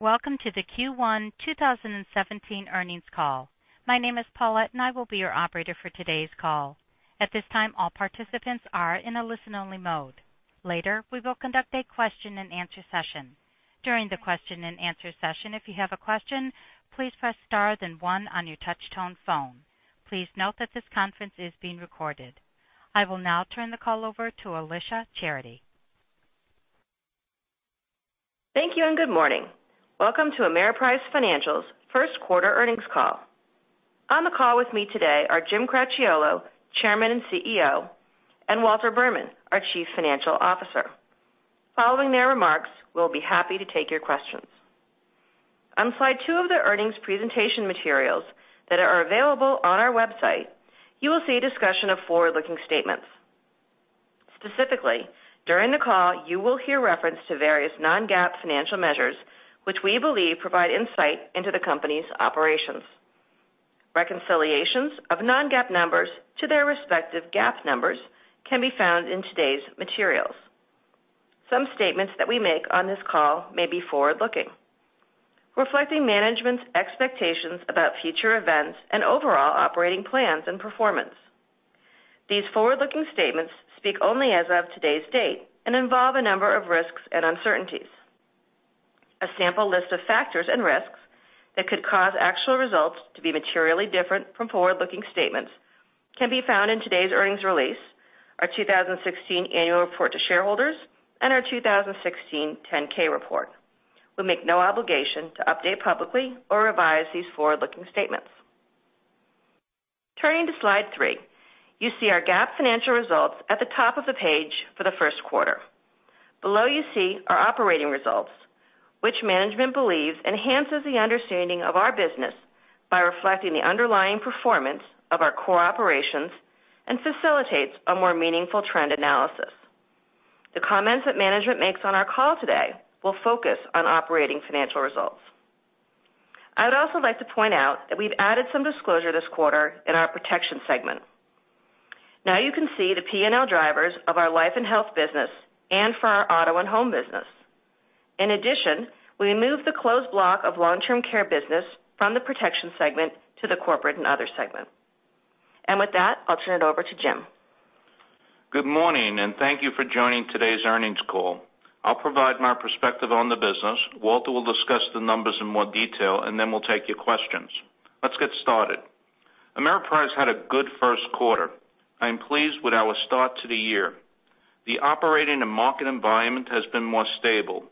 Welcome to the Q1 2017 earnings call. My name is Paulette and I will be your operator for today's call. At this time, all participants are in a listen-only mode. Later, we will conduct a question and answer session. During the question and answer session, if you have a question, please press star then one on your touch tone phone. Please note that this conference is being recorded. I will now turn the call over to Alicia Charity. Thank you. Good morning. Welcome to Ameriprise Financial's first quarter earnings call. On the call with me today are James Cracchiolo, Chairman and CEO, and Walter Berman, our Chief Financial Officer. Following their remarks, we will be happy to take your questions. On slide two of the earnings presentation materials that are available on our website, you will see a discussion of forward-looking statements. Specifically, during the call, you will hear reference to various non-GAAP financial measures which we believe provide insight into the company's operations. Reconciliations of non-GAAP numbers to their respective GAAP numbers can be found in today's materials. Some statements that we make on this call may be forward-looking, reflecting management's expectations about future events and overall operating plans and performance. These forward-looking statements speak only as of today's date and involve a number of risks and uncertainties. A sample list of factors and risks that could cause actual results to be materially different from forward-looking statements can be found in today's earnings release, our 2016 annual report to shareholders, and our 2016 10-K report. We make no obligation to update publicly or revise these forward-looking statements. Turning to slide three, you see our GAAP financial results at the top of the page for the first quarter. Below you see our operating results, which management believes enhances the understanding of our business by reflecting the underlying performance of our core operations and facilitates a more meaningful trend analysis. The comments that management makes on our call today will focus on operating financial results. I would also like to point out that we have added some disclosure this quarter in our Protection segment. Now you can see the P&L drivers of our life and health business and for our auto and home business. In addition, we moved the closed block of long-term care business from the Protection segment to the Corporate and Other segment. With that, I will turn it over to Jim. Good morning. Thank you for joining today's earnings call. I'll provide my perspective on the business. Walter will discuss the numbers in more detail, and then we'll take your questions. Let's get started. Ameriprise had a good first quarter. I am pleased with our start to the year. The operating and market environment has been more stable.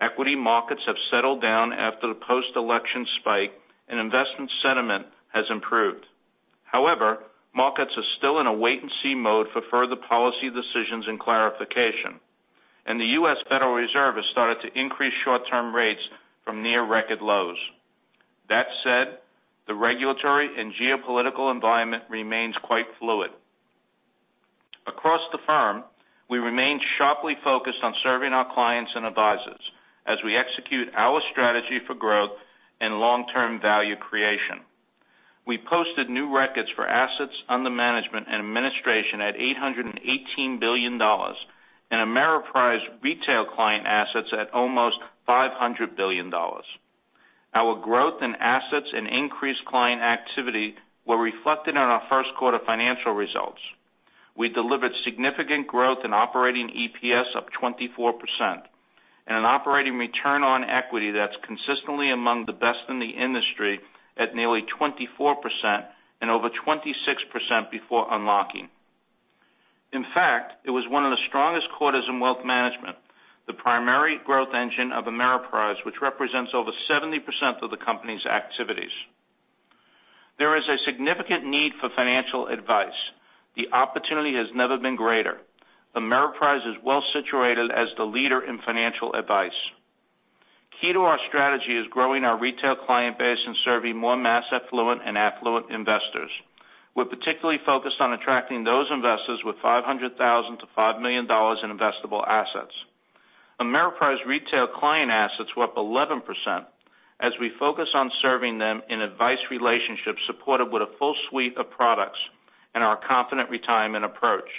Equity markets have settled down after the post-election spike and investment sentiment has improved. However, markets are still in a wait-and-see mode for further policy decisions and clarification, and the U.S. Federal Reserve has started to increase short-term rates from near record lows. That said, the regulatory and geopolitical environment remains quite fluid. Across the firm, we remain sharply focused on serving our clients and advisors as we execute our strategy for growth and long-term value creation. We posted new records for assets under management and administration at $818 billion and Ameriprise retail client assets at almost $500 billion. Our growth in assets and increased client activity were reflected on our first quarter financial results. We delivered significant growth in operating EPS up 24% and an operating return on equity that's consistently among the best in the industry at nearly 24% and over 26% before unlocking. In fact, it was one of the strongest quarters in wealth management, the primary growth engine of Ameriprise, which represents over 70% of the company's activities. There is a significant need for financial advice. The opportunity has never been greater. Ameriprise is well-situated as the leader in financial advice. Key to our strategy is growing our retail client base and serving more mass affluent and affluent investors. We're particularly focused on attracting those investors with $500,000-$5 million in investable assets. Ameriprise retail client assets were up 11% as we focus on serving them in advice relationships supported with a full suite of products and our Confident Retirement approach.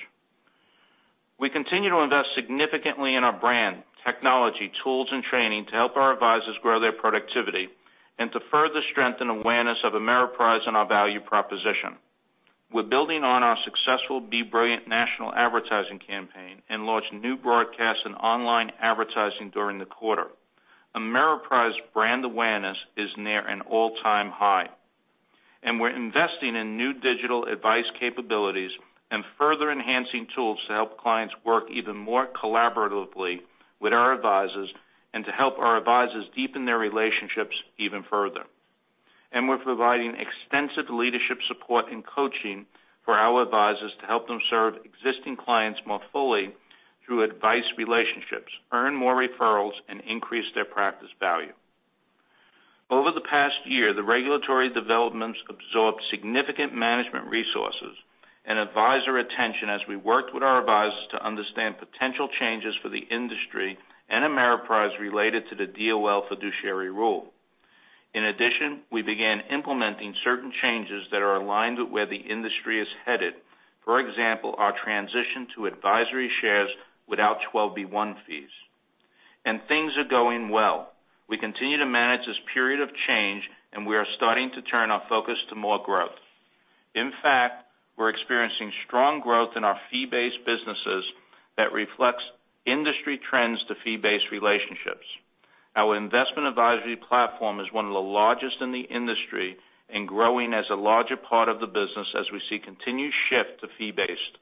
We continue to invest significantly in our brand, technology, tools, and training to help our advisors grow their productivity and to further strengthen awareness of Ameriprise and our value proposition. We're building on our successful Be Brilliant national advertising campaign and launched new broadcast and online advertising during the quarter. Ameriprise brand awareness is near an all-time high, and we're investing in new digital advice capabilities and further enhancing tools to help clients work even more collaboratively with our advisors and to help our advisors deepen their relationships even further. We're providing extensive leadership support and coaching for our advisors to help them serve existing clients more fully through advice relationships, earn more referrals, and increase their practice value. Over the past year, the regulatory developments absorbed significant management resources and advisor attention as we worked with our advisors to understand potential changes for the industry and Ameriprise related to the DOL fiduciary rule. In addition, we began implementing certain changes that are aligned with where the industry is headed. For example, our transition to advisory shares without 12B-1 fees. Things are going well. We continue to manage this period of change, and we are starting to turn our focus to more growth. In fact, we're experiencing strong growth in our fee-based businesses that reflects industry trends to fee-based relationships. Our investment advisory platform is one of the largest in the industry and growing as a larger part of the business as we see continued shift to fee-based.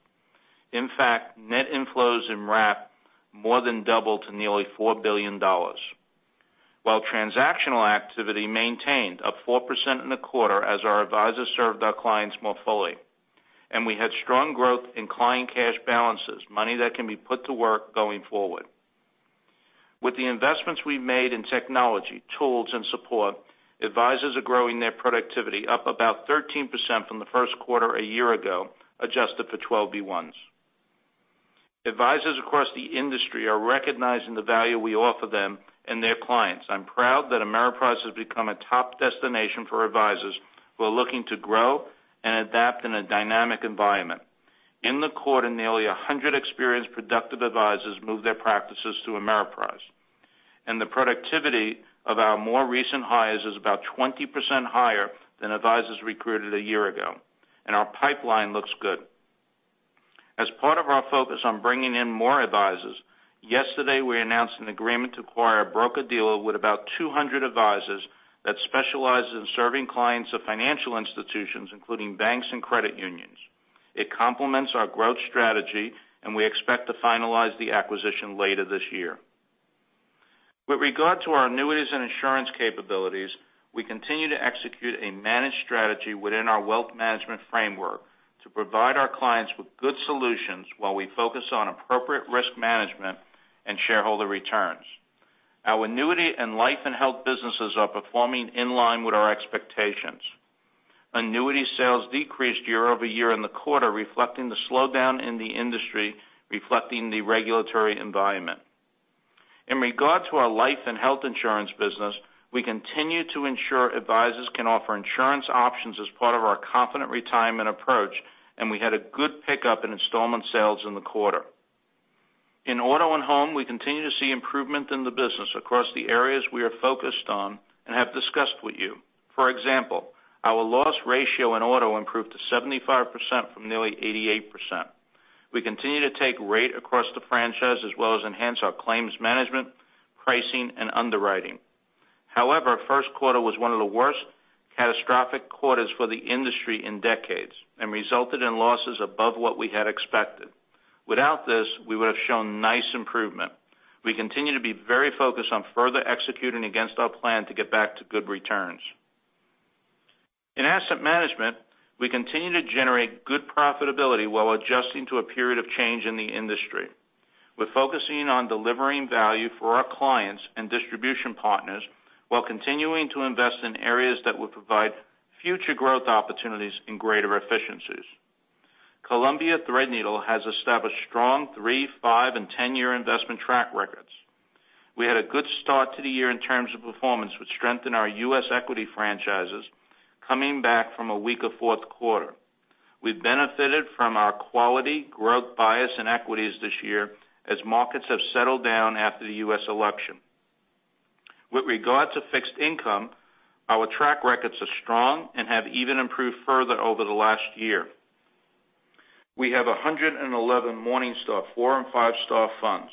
In fact, net inflows in wrap more than doubled to nearly $4 billion. While transactional activity maintained up 4% in the quarter as our advisors served our clients more fully. We had strong growth in client cash balances, money that can be put to work going forward. With the investments we've made in technology, tools, and support, advisors are growing their productivity up about 13% from the first quarter a year ago, adjusted for 12B-1s. Advisors across the industry are recognizing the value we offer them and their clients. I'm proud that Ameriprise has become a top destination for advisors who are looking to grow and adapt in a dynamic environment. In the quarter, nearly 100 experienced, productive advisors moved their practices to Ameriprise. The productivity of our more recent hires is about 20% higher than advisors recruited a year ago, and our pipeline looks good. As part of our focus on bringing in more advisors, yesterday, we announced an agreement to acquire a broker-dealer with about 200 advisors that specialize in serving clients of financial institutions, including banks and credit unions. It complements our growth strategy, and we expect to finalize the acquisition later this year. With regard to our annuities and insurance capabilities, we continue to execute a managed strategy within our wealth management framework to provide our clients with good solutions while we focus on appropriate risk management and shareholder returns. Our annuity and life and health businesses are performing in line with our expectations. Annuity sales decreased year-over-year in the quarter, reflecting the slowdown in the industry, reflecting the regulatory environment. In regard to our life and health insurance business, we continue to ensure advisors can offer insurance options as part of our Confident Retirement approach, and we had a good pickup in installment sales in the quarter. In auto and home, we continue to see improvement in the business across the areas we are focused on and have discussed with you. For example, our loss ratio in auto improved to 75% from nearly 88%. We continue to take rate across the franchise, as well as enhance our claims management, pricing, and underwriting. However, first quarter was one of the worst catastrophic quarters for the industry in decades and resulted in losses above what we had expected. Without this, we would have shown nice improvement. We continue to be very focused on further executing against our plan to get back to good returns. In asset management, we continue to generate good profitability while adjusting to a period of change in the industry. We're focusing on delivering value for our clients and distribution partners while continuing to invest in areas that will provide future growth opportunities and greater efficiencies. Columbia Threadneedle has established strong three, five, and 10-year investment track records. We had a good start to the year in terms of performance, which strengthened our U.S. equity franchises coming back from a weaker fourth quarter. We've benefited from our quality growth bias in equities this year as markets have settled down after the U.S. election. With regard to fixed income, our track records are strong and have even improved further over the last year. We have 111 Morningstar four and five-star funds.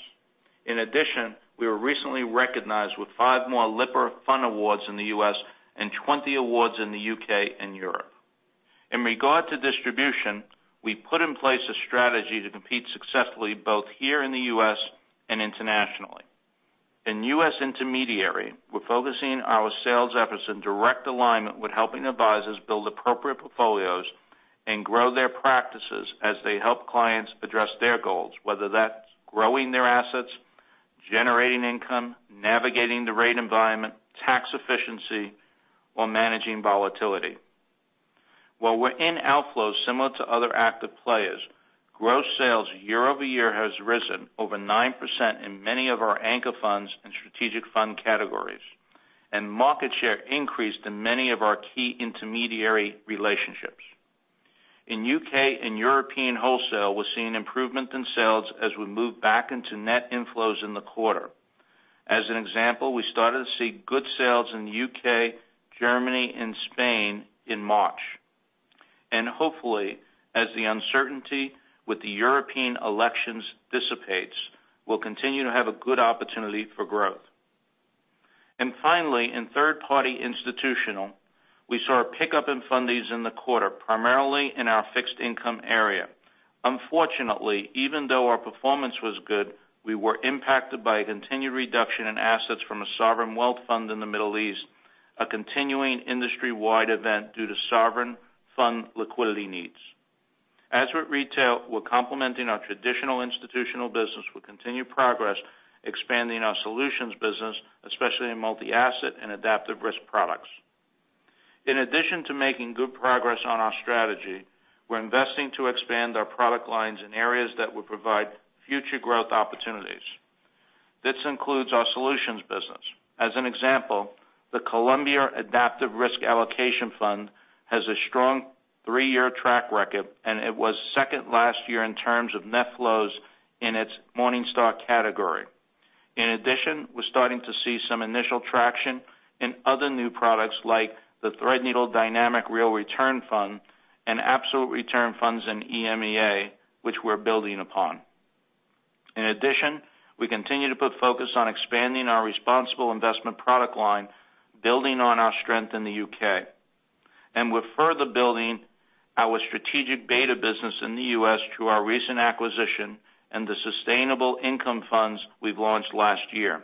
In addition, we were recently recognized with five more Lipper Fund Awards in the U.S. and 20 awards in the U.K. and Europe. In regard to distribution, we put in place a strategy to compete successfully both here in the U.S. and internationally. In U.S. intermediary, we're focusing our sales efforts in direct alignment with helping advisors build appropriate portfolios and grow their practices as they help clients address their goals, whether that's growing their assets, generating income, navigating the rate environment, tax efficiency, or managing volatility. While we're in outflows similar to other active players, gross sales year-over-year has risen over 9% in many of our anchor funds and strategic fund categories, and market share increased in many of our key intermediary relationships. In U.K. and European wholesale, we're seeing improvement in sales as we move back into net inflows in the quarter. As an example, we started to see good sales in the U.K., Germany, and Spain in March. Hopefully, as the uncertainty with the European elections dissipates, we'll continue to have a good opportunity for growth. Finally, in third-party institutional, we saw a pickup in fundings in the quarter, primarily in our fixed income area. Unfortunately, even though our performance was good, we were impacted by a continued reduction in assets from a sovereign wealth fund in the Middle East, a continuing industry-wide event due to sovereign fund liquidity needs. As with retail, we're complementing our traditional institutional business with continued progress expanding our solutions business, especially in multi-asset and adaptive risk products. In addition to making good progress on our strategy, we're investing to expand our product lines in areas that will provide future growth opportunities. This includes our solutions business. As an example, the Columbia Adaptive Risk Allocation Fund has a strong three-year track record, and it was second last year in terms of net flows in its Morningstar category. In addition, we're starting to see some initial traction in other new products like the Threadneedle Dynamic Real Return Fund and absolute return funds in EMEA, which we're building upon. In addition, we continue to put focus on expanding our responsible investment product line, building on our strength in the U.K. We're further building our strategic beta business in the U.S. through our recent acquisition and the sustainable income funds we've launched last year.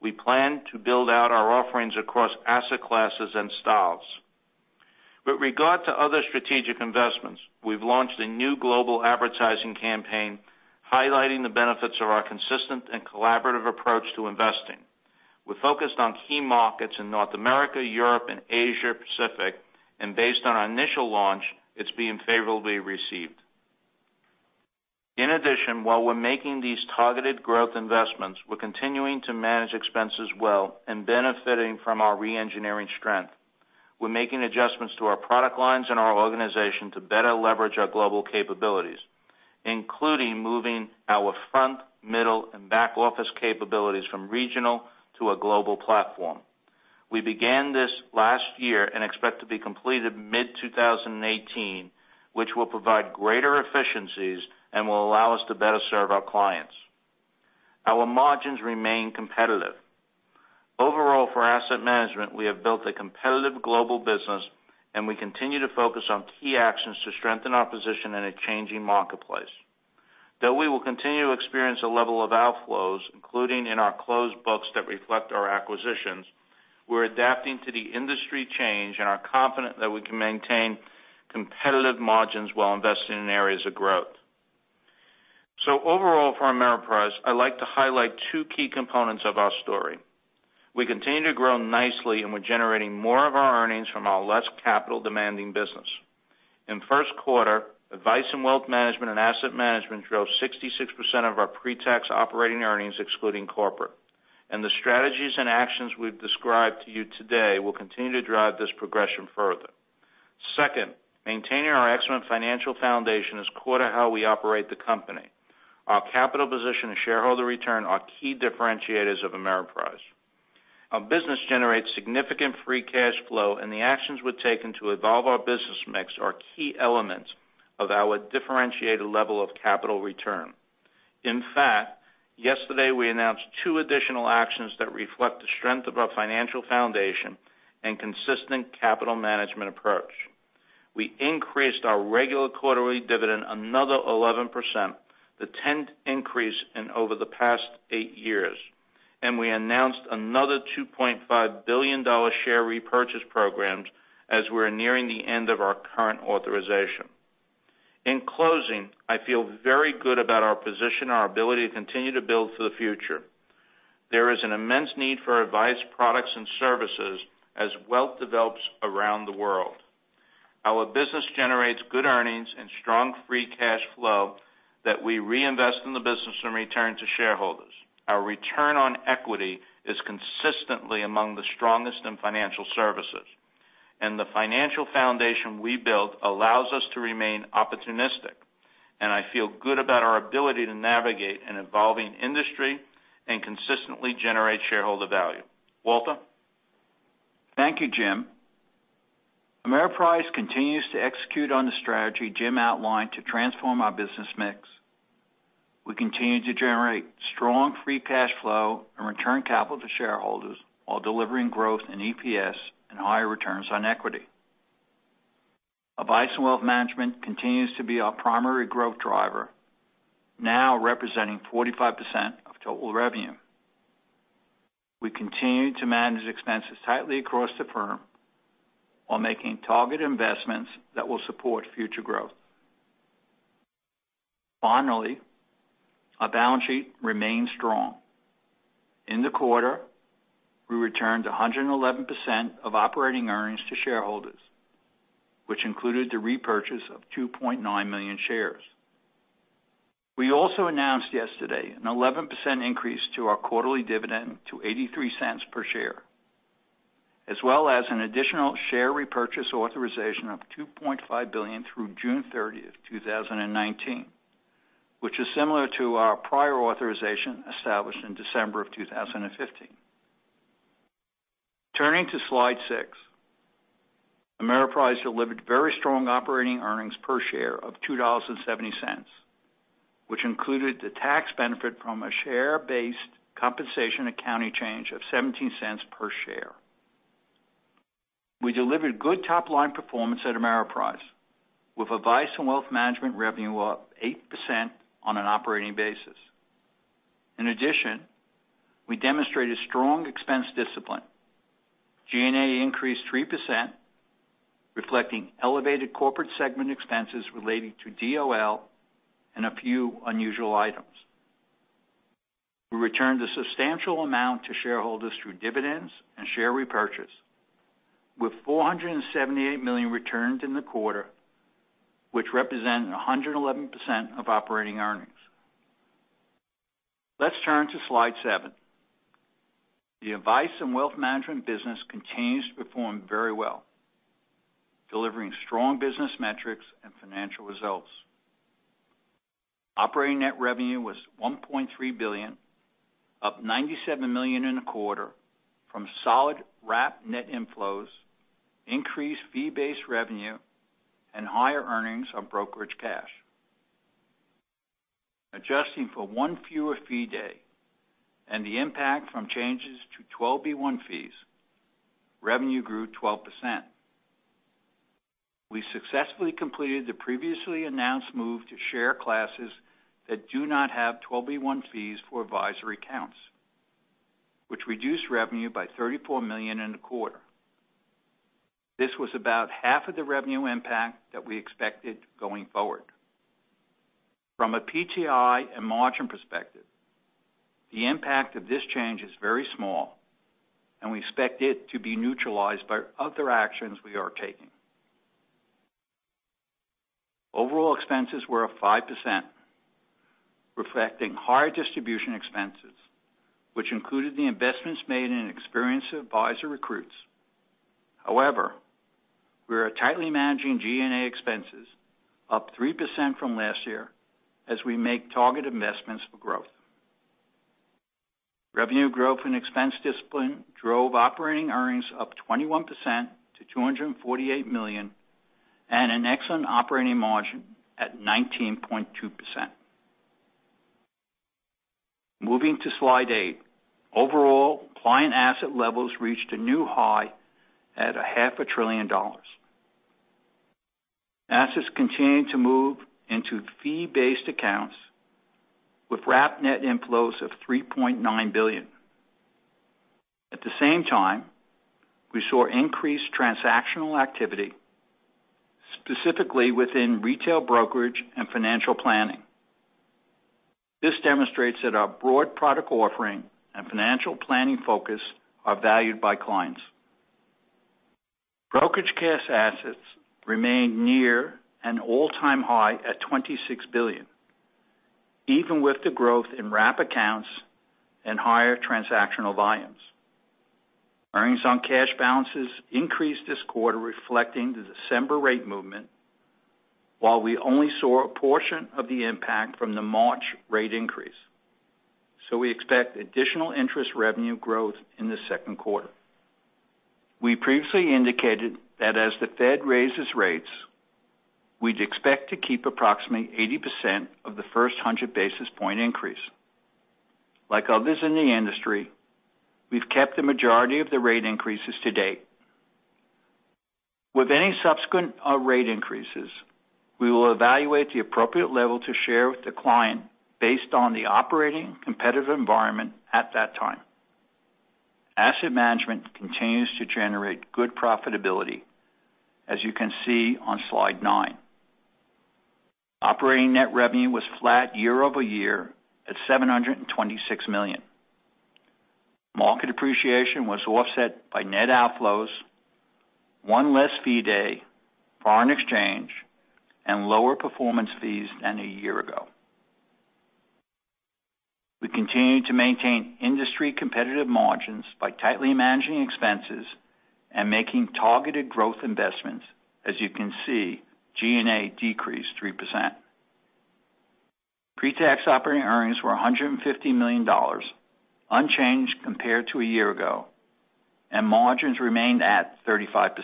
We plan to build out our offerings across asset classes and styles. With regard to other strategic investments, we've launched a new global advertising campaign highlighting the benefits of our consistent and collaborative approach to investing. We're focused on key markets in North America, Europe, and Asia Pacific. Based on our initial launch, it's being favorably received. In addition, while we're making these targeted growth investments, we're continuing to manage expenses well and benefiting from our re-engineering strength. We're making adjustments to our product lines and our organization to better leverage our global capabilities, including moving our front, middle, and back office capabilities from regional to a global platform. We began this last year and expect to be completed mid-2018, which will provide greater efficiencies and will allow us to better serve our clients. Our margins remain competitive. Overall for asset management, we have built a competitive global business. We continue to focus on key actions to strengthen our position in a changing marketplace. Though we will continue to experience a level of outflows, including in our closed books that reflect our acquisitions, we're adapting to the industry change and are confident that we can maintain competitive margins while investing in areas of growth. Overall for Ameriprise, I'd like to highlight two key components of our story. We continue to grow nicely, and we're generating more of our earnings from our less capital-demanding business. In first quarter, Advice and Wealth Management and Asset Management drove 66% of our pre-tax operating earnings excluding corporate. The strategies and actions we've described to you today will continue to drive this progression further. Second, maintaining our excellent financial foundation is core to how we operate the company. Our capital position and shareholder return are key differentiators of Ameriprise. Our business generates significant free cash flow, the actions we've taken to evolve our business mix are key elements of our differentiated level of capital return. In fact, yesterday we announced two additional actions that reflect the strength of our financial foundation and consistent capital management approach. We increased our regular quarterly dividend another 11%, the tenth increase in over the past eight years, and we announced another $2.5 billion share repurchase programs as we're nearing the end of our current authorization. In closing, I feel very good about our position and our ability to continue to build for the future. There is an immense need for advice, products, and services as wealth develops around the world. Our business generates good earnings and strong free cash flow that we reinvest in the business and return to shareholders. Our return on equity is consistently among the strongest in financial services. The financial foundation we built allows us to remain opportunistic, and I feel good about our ability to navigate an evolving industry and consistently generate shareholder value. Walter? Thank you, Jim. Ameriprise continues to execute on the strategy Jim outlined to transform our business mix. We continue to generate strong free cash flow and return capital to shareholders while delivering growth in EPS and higher returns on equity. Advice and Wealth Management continues to be our primary growth driver, now representing 45% of total revenue. We continue to manage expenses tightly across the firm while making targeted investments that will support future growth. Finally, our balance sheet remains strong. In the quarter, we returned 111% of operating earnings to shareholders, which included the repurchase of 2.9 million shares. We also announced yesterday an 11% increase to our quarterly dividend to $0.83 per share, as well as an additional share repurchase authorization of $2.5 billion through June 30th, 2019, which is similar to our prior authorization established in December of 2015. Turning to slide six, Ameriprise delivered very strong operating earnings per share of $2.70, which included the tax benefit from a share-based compensation accounting change of $0.17 per share. We delivered good top-line performance at Ameriprise, with Advice and Wealth Management revenue up 8% on an operating basis. In addition, we demonstrated strong expense discipline. G&A increased 3%, reflecting elevated corporate segment expenses relating to DOL and a few unusual items. We returned a substantial amount to shareholders through dividends and share repurchase, with $478 million returned in the quarter, which represented 111% of operating earnings. Let's turn to slide seven. The Advice and Wealth Management business continues to perform very well, delivering strong business metrics and financial results. Operating net revenue was $1.3 billion, up $97 million in the quarter from solid wrap net inflows, increased fee-based revenue, and higher earnings on brokerage cash. Adjusting for one fewer fee day and the impact from changes to 12b-1 fees, revenue grew 12%. We successfully completed the previously announced move to share classes that do not have 12b-1 fees for advisory accounts, which reduced revenue by $34 million in the quarter. This was about half of the revenue impact that we expected going forward. From a PTI and margin perspective, the impact of this change is very small, and we expect it to be neutralized by other actions we are taking. Overall expenses were up 5%, reflecting higher distribution expenses, which included the investments made in experienced advisor recruits. However, we are tightly managing G&A expenses, up 3% from last year, as we make targeted investments for growth. Revenue growth and expense discipline drove operating earnings up 21% to $248 million, and an excellent operating margin at 19.2%. Moving to slide eight. Overall, client asset levels reached a new high at a half a trillion dollars. Assets continue to move into fee-based accounts with wrap net inflows of $3.9 billion. At the same time, we saw increased transactional activity, specifically within retail brokerage and financial planning. This demonstrates that our broad product offering and financial planning focus are valued by clients. Brokerage cash assets remain near an all-time high at $26 billion, even with the growth in wrap accounts and higher transactional volumes. Earnings on cash balances increased this quarter reflecting the December rate movement, while we only saw a portion of the impact from the March rate increase. We expect additional interest revenue growth in the second quarter. We previously indicated that as the Fed raises rates, we'd expect to keep approximately 80% of the first hundred basis point increase. Like others in the industry, we've kept the majority of the rate increases to date. With any subsequent rate increases, we will evaluate the appropriate level to share with the client based on the operating competitive environment at that time. Asset management continues to generate good profitability, as you can see on slide nine. Operating net revenue was flat year-over-year at $726 million. Market appreciation was offset by net outflows, one less fee day, foreign exchange, and lower performance fees than a year ago. We continue to maintain industry-competitive margins by tightly managing expenses and making targeted growth investments. As you can see, G&A decreased 3%. Pre-tax operating earnings were $150 million, unchanged compared to a year ago, and margins remained at 35%.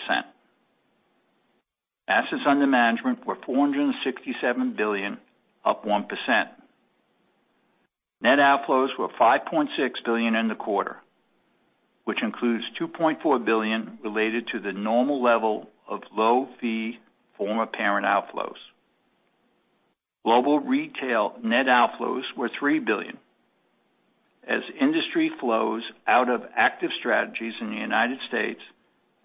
Assets under management were $467 billion, up 1%. Net outflows were $5.6 billion in the quarter, which includes $2.4 billion related to the normal level of low-fee former parent outflows. Global retail net outflows were $3 billion as industry flows out of active strategies in the U.S.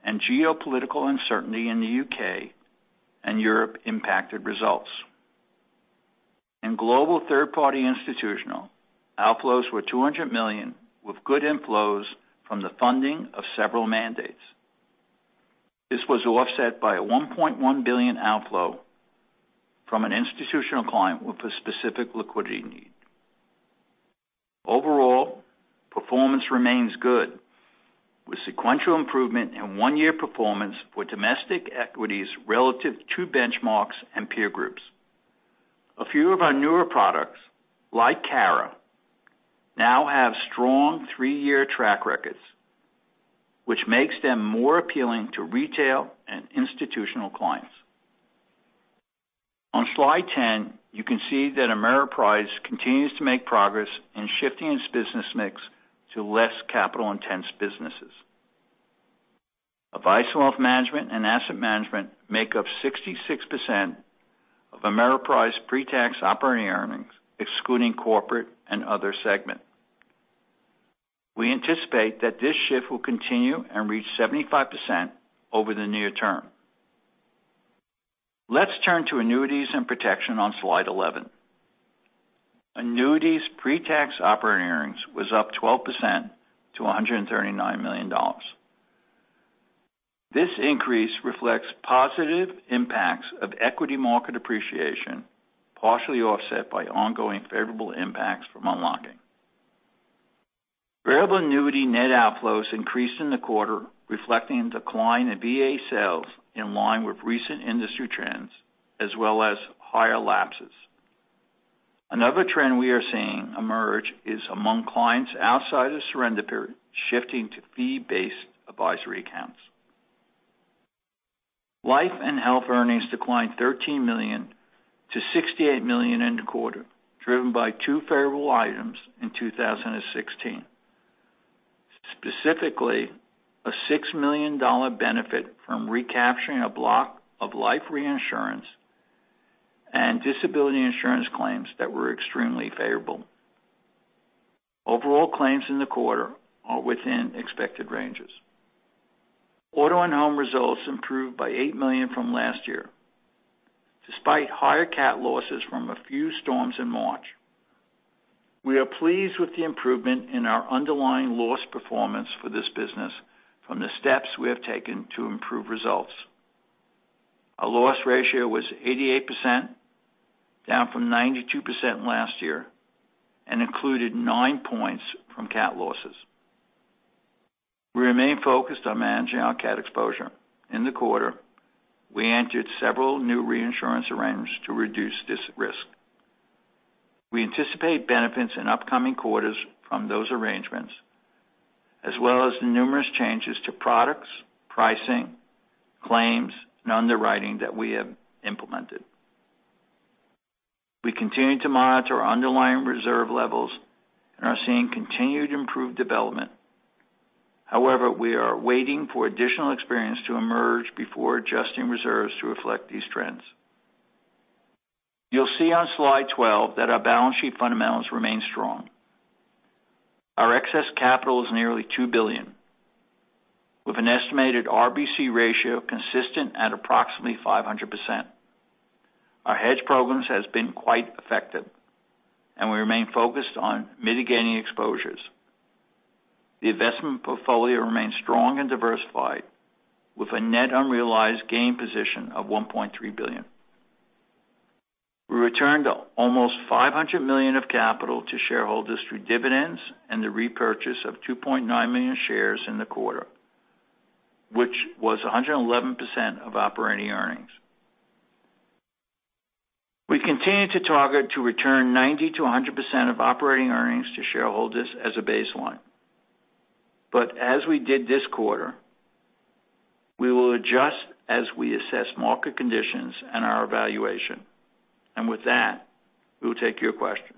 and geopolitical uncertainty in the U.K. and Europe impacted results. In global third-party institutional, outflows were $200 million, with good inflows from the funding of several mandates. This was offset by a $1.1 billion outflow from an institutional client with a specific liquidity need. Overall, performance remains good, with sequential improvement in one-year performance for domestic equities relative to benchmarks and peer groups. A few of our newer products, like CARA, now have strong three-year track records, which makes them more appealing to retail and institutional clients. On slide 10, you can see that Ameriprise continues to make progress in shifting its business mix to less capital-intense businesses. Advice Wealth Management and Asset Management make up 66% of Ameriprise pre-tax operating earnings, excluding corporate and other segment. We anticipate that this shift will continue and reach 75% over the near term. Let's turn to annuities and protection on slide 11. Annuities pre-tax operating earnings was up 12% to $139 million. This increase reflects positive impacts of equity market appreciation, partially offset by ongoing favorable impacts from unlocking. Variable annuity net outflows increased in the quarter, reflecting a decline in VA sales in line with recent industry trends, as well as higher lapses. Another trend we are seeing emerge is among clients outside the surrender period shifting to fee-based advisory accounts. Life and health earnings declined $13 million to $68 million in the quarter, driven by two favorable items in 2016. Specifically, a $6 million benefit from recapturing a block of life reinsurance and disability insurance claims that were extremely favorable. Overall claims in the quarter are within expected ranges. Auto and home results improved by $8 million from last year, despite higher cat losses from a few storms in March. We are pleased with the improvement in our underlying loss performance for this business from the steps we have taken to improve results. Our loss ratio was 88%, down from 92% last year, and included nine points from cat losses. We remain focused on managing our cat exposure. In the quarter, we entered several new reinsurance arrangements to reduce this risk. We anticipate benefits in upcoming quarters from those arrangements, as well as the numerous changes to products, pricing, claims, and underwriting that we have implemented. We continue to monitor our underlying reserve levels and are seeing continued improved development. We are waiting for additional experience to emerge before adjusting reserves to reflect these trends. You'll see on slide 12 that our balance sheet fundamentals remain strong. Our excess capital is nearly $2 billion, with an estimated RBC ratio consistent at approximately 500%. Our hedge programs has been quite effective, and we remain focused on mitigating exposures. The investment portfolio remains strong and diversified with a net unrealized gain position of $1.3 billion. We returned almost $500 million of capital to shareholders through dividends and the repurchase of 2.9 million shares in the quarter, which was 111% of operating earnings. We continue to target to return 90%-100% of operating earnings to shareholders as a baseline. As we did this quarter, we will adjust as we assess market conditions and our evaluation. With that, we'll take your questions.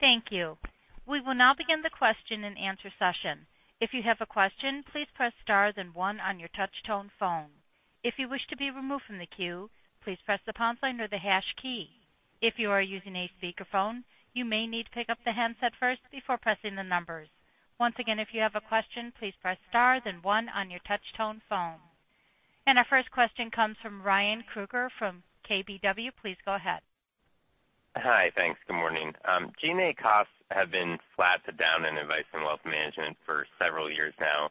Thank you. We will now begin the question and answer session. If you have a question, please press star then one on your touch tone phone. If you wish to be removed from the queue, please press the pound sign or the hash key. If you are using a speakerphone, you may need to pick up the handset first before pressing the numbers. Once again, if you have a question, please press star then one on your touch tone phone. Our first question comes from Ryan Krueger from KBW. Please go ahead. Hi. Thanks. Good morning. G&A costs have been flat to down in advice and wealth management for several years now.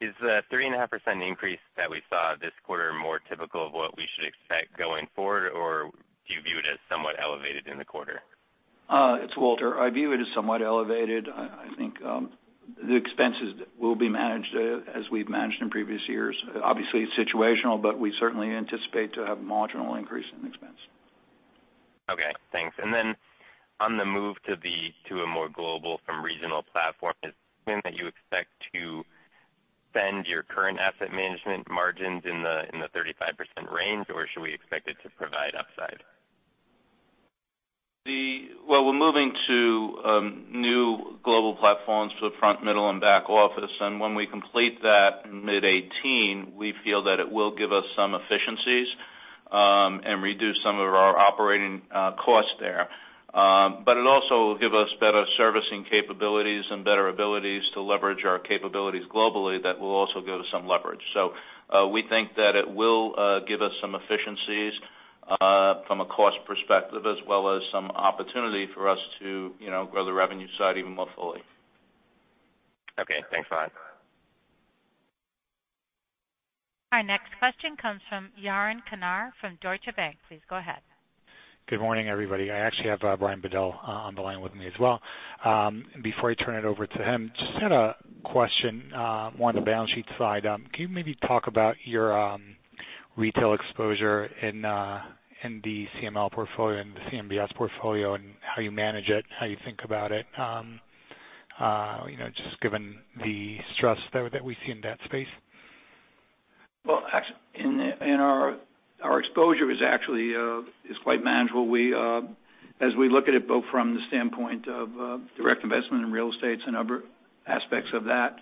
Is the 3.5% increase that we saw this quarter more typical of what we should expect going forward, or do you view it as somewhat elevated in the quarter? It's Walter. I view it as somewhat elevated. I think the expenses will be managed as we've managed in previous years. Obviously, it's situational, but we certainly anticipate to have marginal increase in expense. Okay, thanks. On the move to a more global from regional platform, is it then that you expect to spend your current asset management margins in the 35% range, or should we expect it to provide upside? Well, we're moving to new global platforms for the front, middle, and back office. When we complete that in mid 2018, we feel that it will give us some efficiencies and reduce some of our operating costs there. It'll also give us better servicing capabilities and better abilities to leverage our capabilities globally that will also give us some leverage. We think that it will give us some efficiencies from a cost perspective as well as some opportunity for us to grow the revenue side even more fully. Okay, thanks a lot. Our next question comes from Yaron Kinar from Deutsche Bank. Please go ahead. Good morning, everybody. I actually have Brian Bedell on the line with me as well. Before I turn it over to him, just had a question on the balance sheet side. Can you maybe talk about your retail exposure in the CML portfolio and the CMBS portfolio, and how you manage it, how you think about it just given the stress that we see in that space? Our exposure is actually quite manageable. As we look at it both from the standpoint of direct investment in real estate and other aspects of that,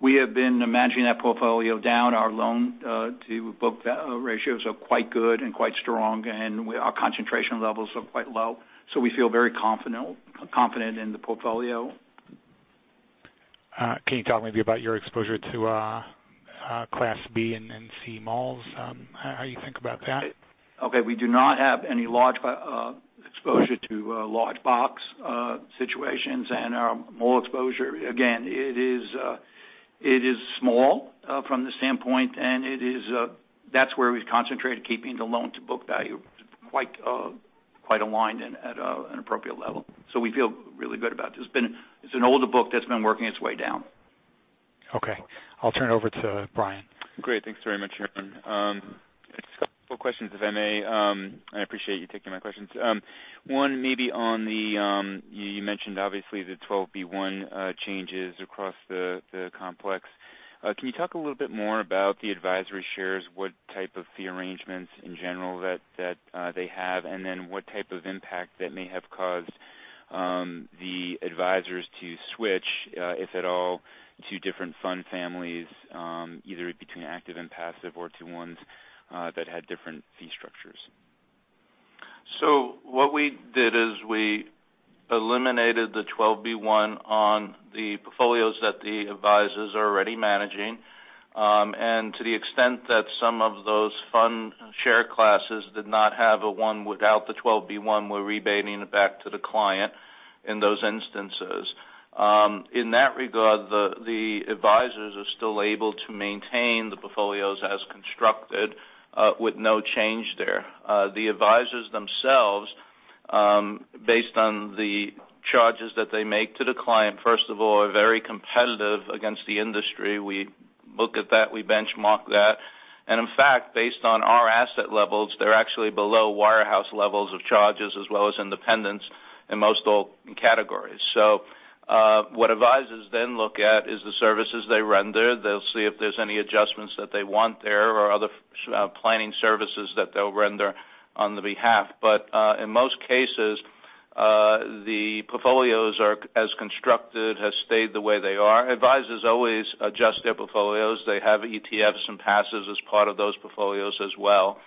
we have been managing that portfolio down. Our loan-to-book value ratios are quite good and quite strong, and our concentration levels are quite low. We feel very confident in the portfolio. Can you talk maybe about your exposure to Class B and then C malls, how you think about that? We do not have any large exposure to large box situations and our mall exposure, again, it is small from the standpoint, and that's where we've concentrated keeping the loan-to-book value quite aligned and at an appropriate level. We feel really good about it. It's an older book that's been working its way down. I'll turn it over to Brian. Great. Thanks very much, Yaron. Just a couple questions, if I may. I appreciate you taking my questions. One maybe on the, you mentioned obviously the 12b-1 changes across the complex. Can you talk a little bit more about the advisory shares, what type of fee arrangements in general that they have, and then what type of impact that may have caused the advisors to switch, if at all, to different fund families, either between active and passive or to ones that had different fee structures? What we did is we eliminated the 12b-1 on the portfolios that the advisors are already managing. To the extent that some of those fund share classes did not have a one without the 12b-1, we're rebating it back to the client in those instances. In that regard, the advisors are still able to maintain the portfolios as constructed, with no change there. The advisors themselves, based on the charges that they make to the client, first of all, are very competitive against the industry. We look at that, we benchmark that. In fact, based on our asset levels, they're actually below wire house levels of charges as well as independents in most all categories. What advisors then look at is the services they render. They'll see if there's any adjustments that they want there or other planning services that they'll render on the behalf. In most cases, the portfolios as constructed, have stayed the way they are. Advisors always adjust their portfolios. They have ETFs and passives as part of those portfolios as well.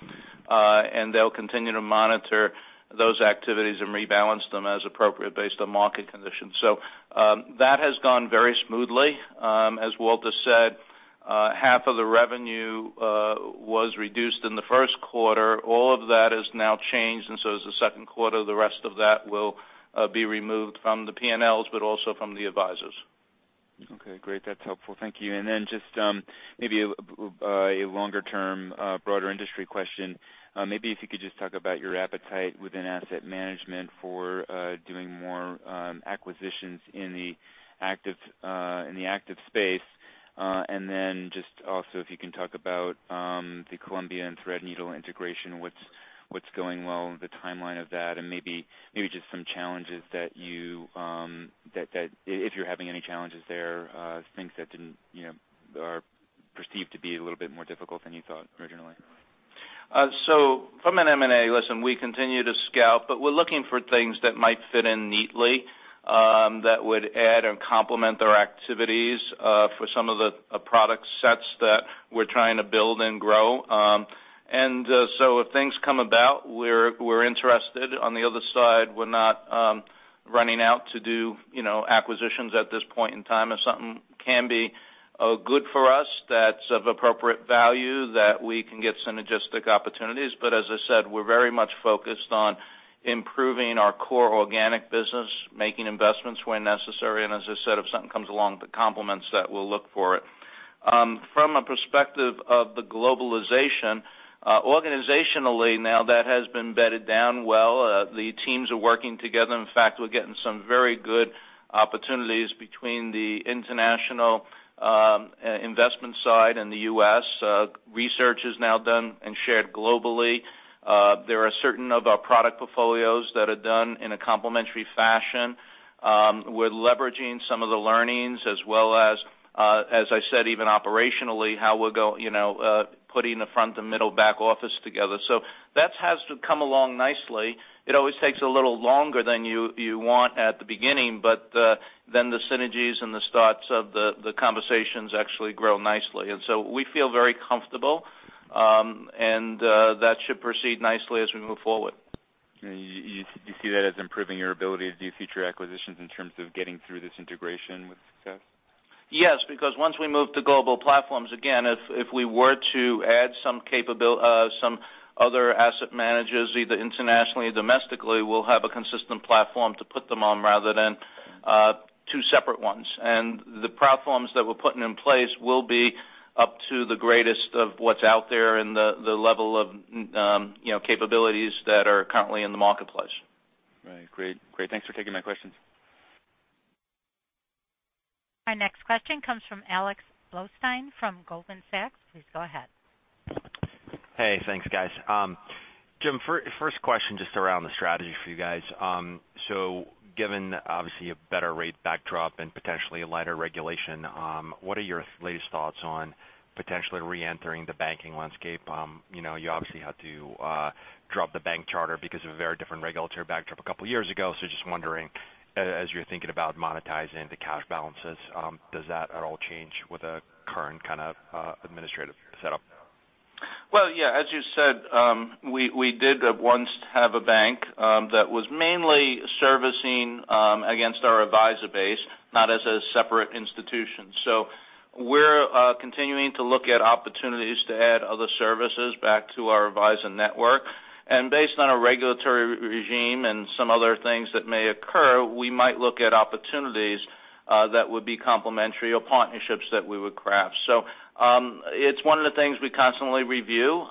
They'll continue to monitor those activities and rebalance them as appropriate based on market conditions. That has gone very smoothly. As Walter said, half of the revenue was reduced in the first quarter. All of that has now changed, as the second quarter, the rest of that will be removed from the P&Ls, but also from the advisors. Okay, great. That's helpful. Thank you. Just maybe a longer-term, broader industry question. Maybe if you could just talk about your appetite within asset management for doing more acquisitions in the active space. Just also if you can talk about the Columbia and Threadneedle integration, what's going well, the timeline of that, and maybe just some challenges that you, if you're having any challenges there, things that are perceived to be a little bit more difficult than you thought originally. From an M&A, listen, we continue to scout, but we're looking for things that might fit in neatly, that would add or complement our activities, for some of the product sets that we're trying to build and grow. If things come about, we're interested. On the other side, we're not running out to do acquisitions at this point in time. If something can be good for us that's of appropriate value, that we can get synergistic opportunities. As I said, we're very much focused on improving our core organic business, making investments when necessary. As I said, if something comes along that complements that, we'll look for it. From a perspective of the globalization, organizationally now, that has been bedded down well. The teams are working together. In fact, we're getting some very good opportunities between the international investment side and the U.S. Research is now done and shared globally. There are certain of our product portfolios that are done in a complementary fashion. We're leveraging some of the learnings as well as, I said, even operationally, how we're putting the front and middle back office together. That has come along nicely. It always takes a little longer than you want at the beginning, but then the synergies and the starts of the conversations actually grow nicely. We feel very comfortable. That should proceed nicely as we move forward. You see that as improving your ability to do future acquisitions in terms of getting through this integration with staff? Yes, because once we move to global platforms, again, if we were to add some other asset managers, either internationally or domestically, we'll have a consistent platform to put them on rather than two separate ones. The platforms that we're putting in place will be up to the greatest of what's out there in the level of capabilities that are currently in the marketplace. Right. Great. Thanks for taking my questions. Our next question comes from Alex Blostein from Goldman Sachs. Please go ahead. Hey, thanks guys. Jim, first question just around the strategy for you guys. Given obviously a better rate backdrop and potentially a lighter regulation, what are your latest thoughts on potentially re-entering the banking landscape? You obviously had to drop the bank charter because of a very different regulatory backdrop a couple years ago. Just wondering, as you're thinking about monetizing the cash balances, does that at all change with the current kind of administrative setup? Well, yeah, as you said, we did once have a bank that was mainly servicing against our advisor base, not as a separate institution. We're continuing to look at opportunities to add other services back to our advisor network. Based on a regulatory regime and some other things that may occur, we might look at opportunities that would be complementary or partnerships that we would craft. It's one of the things we constantly review.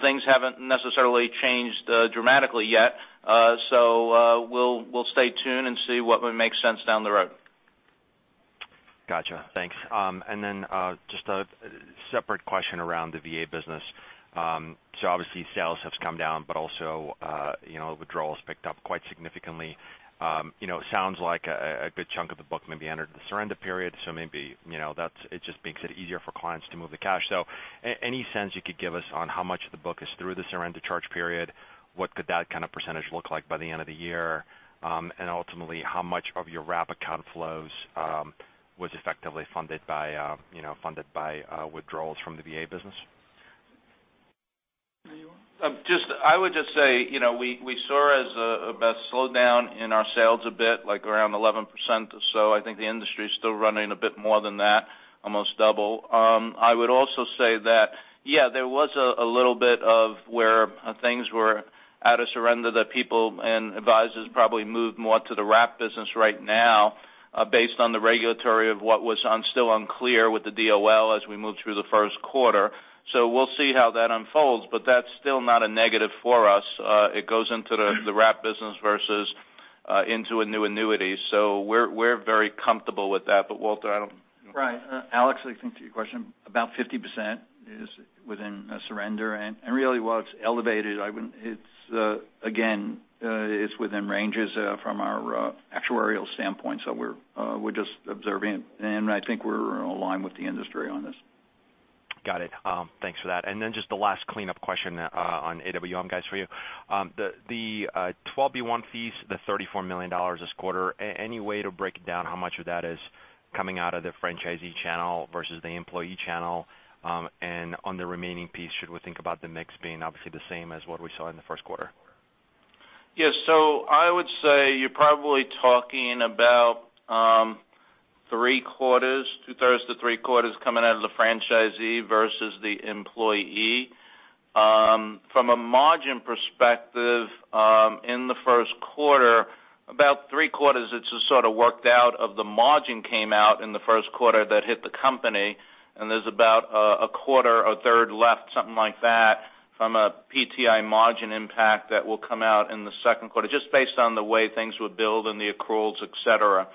Things haven't necessarily changed dramatically yet. We'll stay tuned and see what would make sense down the road. Just a separate question around the VA business. Obviously, sales have come down, but also, withdrawals picked up quite significantly. It sounds like a good chunk of the book maybe entered the surrender period. Maybe it just makes it easier for clients to move the cash. Any sense you could give us on how much of the book is through the surrender charge period? What could that kind of percentage look like by the end of the year? Ultimately, how much of your wrap account flows was effectively funded by withdrawals from the VA business? I would just say, we saw it as a slowdown in our sales a bit, like around 11%. I think the industry is still running a bit more than that, almost double. I would also say that, yeah, there was a little bit of where things were at a surrender that people and advisors probably moved more to the wrap business right now based on the regulatory of what was still unclear with the DOL as we moved through the first quarter. We'll see how that unfolds, but that's still not a negative for us. It goes into the wrap business versus into a new annuity. We're very comfortable with that, but Walter, I don't Right. Alex, I think to your question, about 50% is within a surrender. Really, while it's elevated, again, it's within ranges from our actuarial standpoint, we're just observing. I think we're aligned with the industry on this. Got it. Thanks for that. Just the last cleanup question on AWM guys for you. The 12B-1 fees, the $34 million this quarter, any way to break down how much of that is coming out of the franchisee channel versus the employee channel? On the remaining piece, should we think about the mix being obviously the same as what we saw in the first quarter? Yes. I would say you're probably talking about three quarters, two-thirds to three quarters coming out of the franchisee versus the employee. From a margin perspective, in the first quarter, about three quarters, it's just sort of worked out of the margin came out in the first quarter that hit the company, and there's about a quarter or a third left, something like that, from a PTI margin impact that will come out in the second quarter, just based on the way things were billed and the accruals, et cetera.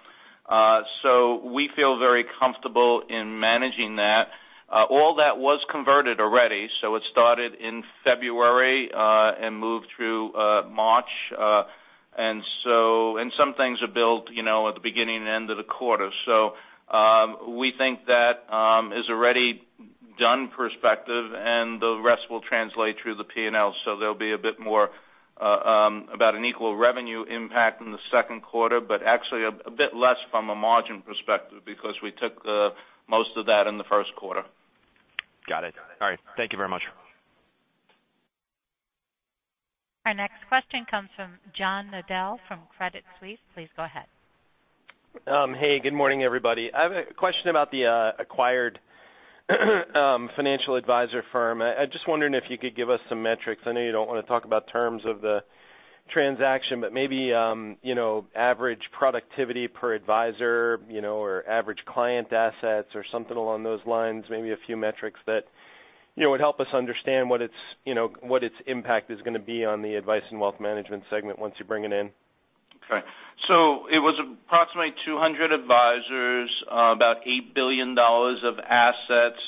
We feel very comfortable in managing that. All that was converted already, it started in February, and moved through March. Some things are billed at the beginning and end of the quarter. We think that is already done perspective, and the rest will translate through the P&L. There'll be a bit more about an equal revenue impact in the second quarter, but actually a bit less from a margin perspective because we took most of that in the first quarter. Got it. All right. Thank you very much. Our next question comes from John Nadel from Credit Suisse. Please go ahead. Hey, good morning, everybody. I have a question about the acquired financial advisor firm. I'm just wondering if you could give us some metrics. I know you don't want to talk about terms of the transaction, but maybe average productivity per advisor, or average client assets or something along those lines, maybe a few metrics that would help us understand what its impact is going to be on the Advice & Wealth Management segment once you bring it in. Okay. It was approximately 200 advisors, about $8 billion of assets.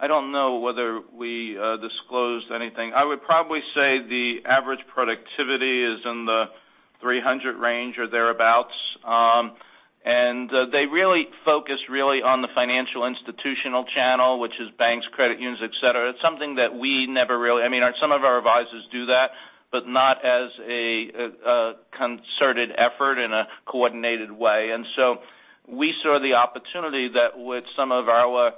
I don't know whether we disclosed anything. I would probably say the average productivity is in the 300 range or thereabouts. They really focus on the financial institutional channel, which is banks, credit unions, et cetera. It's something that we never really Some of our advisors do that, but not as a concerted effort in a coordinated way. We saw the opportunity that with some of our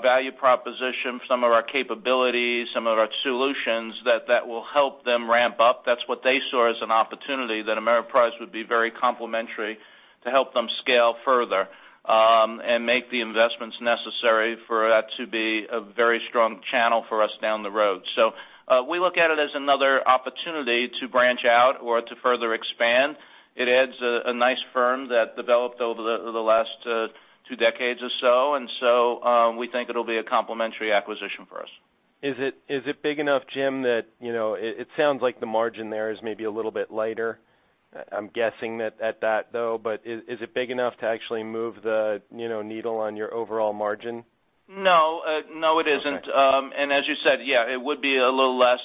value proposition, some of our capabilities, some of our solutions, that will help them ramp up. That's what they saw as an opportunity that Ameriprise would be very complementary to help them scale further, and make the investments necessary for that to be a very strong channel for us down the road. We look at it as another opportunity to branch out or to further expand. It adds a nice firm that developed over the last two decades or so. We think it'll be a complementary acquisition for us. Is it big enough, Jim, that it sounds like the margin there is maybe a little bit lighter. I'm guessing at that, though, but is it big enough to actually move the needle on your overall margin? No, it isn't. Okay. As you said, yeah, it would be a little less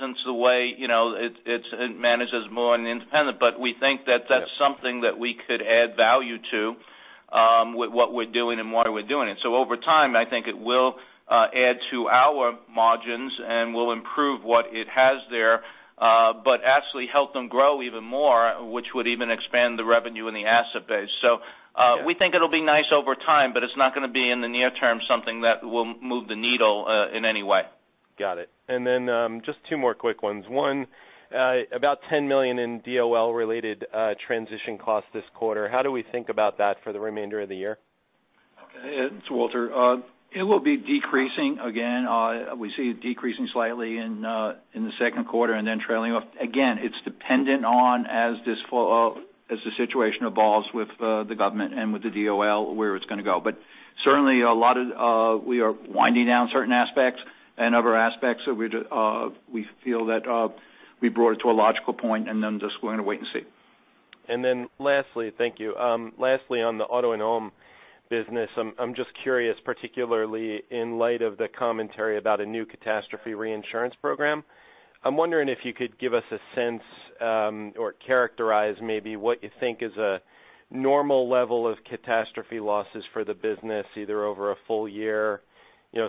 since the way it manages more on the independent. We think that that's something that we could add value to with what we're doing and why we're doing it. Over time, I think it will add to our margins and will improve what it has there but actually help them grow even more, which would even expand the revenue and the asset base. We think it'll be nice over time, but it's not going to be in the near term something that will move the needle in any way. Got it. Then just two more quick ones. One, about $10 million in DOL-related transition costs this quarter. How do we think about that for the remainder of the year? Okay. It's Walter. It will be decreasing again. We see it decreasing slightly in the second quarter and then trailing off. Again, it's dependent on as the situation evolves with the government and with the DOL, where it's going to go. Certainly, we are winding down certain aspects and other aspects that we feel that we brought it to a logical point and then just going to wait and see. Lastly, thank you. Lastly, on the auto and home business, I'm just curious, particularly in light of the commentary about a new catastrophe reinsurance program. I'm wondering if you could give us a sense or characterize maybe what you think is a normal level of catastrophe losses for the business, either over a full year,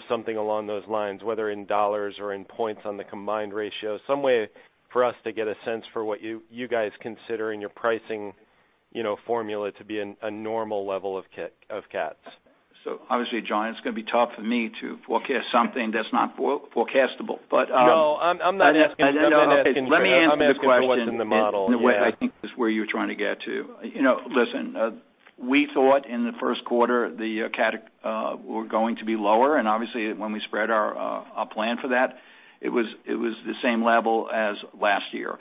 something along those lines, whether in dollars or in points on the combined ratio. Some way for us to get a sense for what you guys consider in your pricing formula to be a normal level of cats. Obviously, John, it's going to be tough for me to forecast something that's not forecastable. No, I'm not asking for that. Okay, let me answer the question. I'm asking for what's in the model, yeah. In the way that I think is where you're trying to get to. Listen, we thought in the first quarter, the cat were going to be lower, obviously when we spread our plan for that, it was the same level as last year.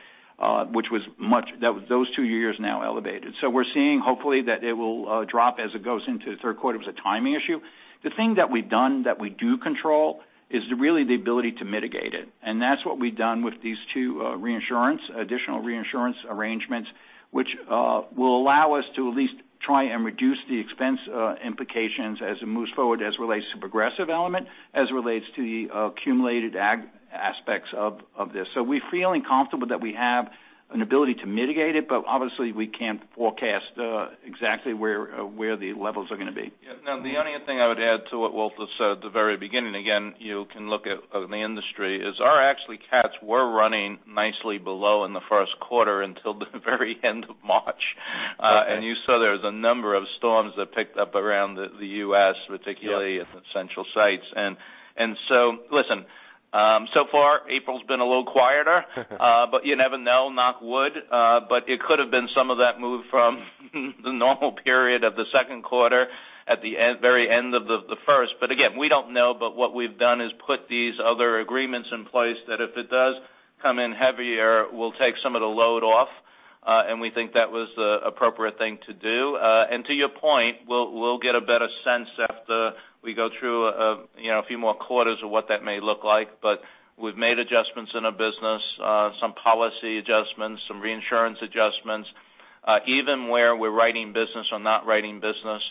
Those two years now elevated. We're seeing hopefully that it will drop as it goes into the third quarter if it was a timing issue. The thing that we've done that we do control is really the ability to mitigate it. That's what we've done with these two additional reinsurance arrangements, which will allow us to at least try and reduce the expense implications as it moves forward, as it relates to progressive element, as it relates to the accumulated aspects of this. We're feeling comfortable that we have an ability to mitigate it, but obviously, we can't forecast exactly where the levels are going to be. Yeah. The only other thing I would add to what Walter said at the very beginning, again, you can look at the industry, is our actually cats were running nicely below in the first quarter until the very end of March. Okay. You saw there was a number of storms that picked up around the U.S. Yeah At the Central States. So far April's been a little quieter. You never know, knock wood. It could have been some of that move from the normal period of the second quarter at the very end of the first. Again, we don't know, but what we've done is put these other agreements in place that if it does come in heavier, we'll take some of the load off. We think that was the appropriate thing to do. To your point, we'll get a better sense after we go through a few more quarters of what that may look like. We've made adjustments in our business, some policy adjustments, some reinsurance adjustments, even where we're writing business or not writing business,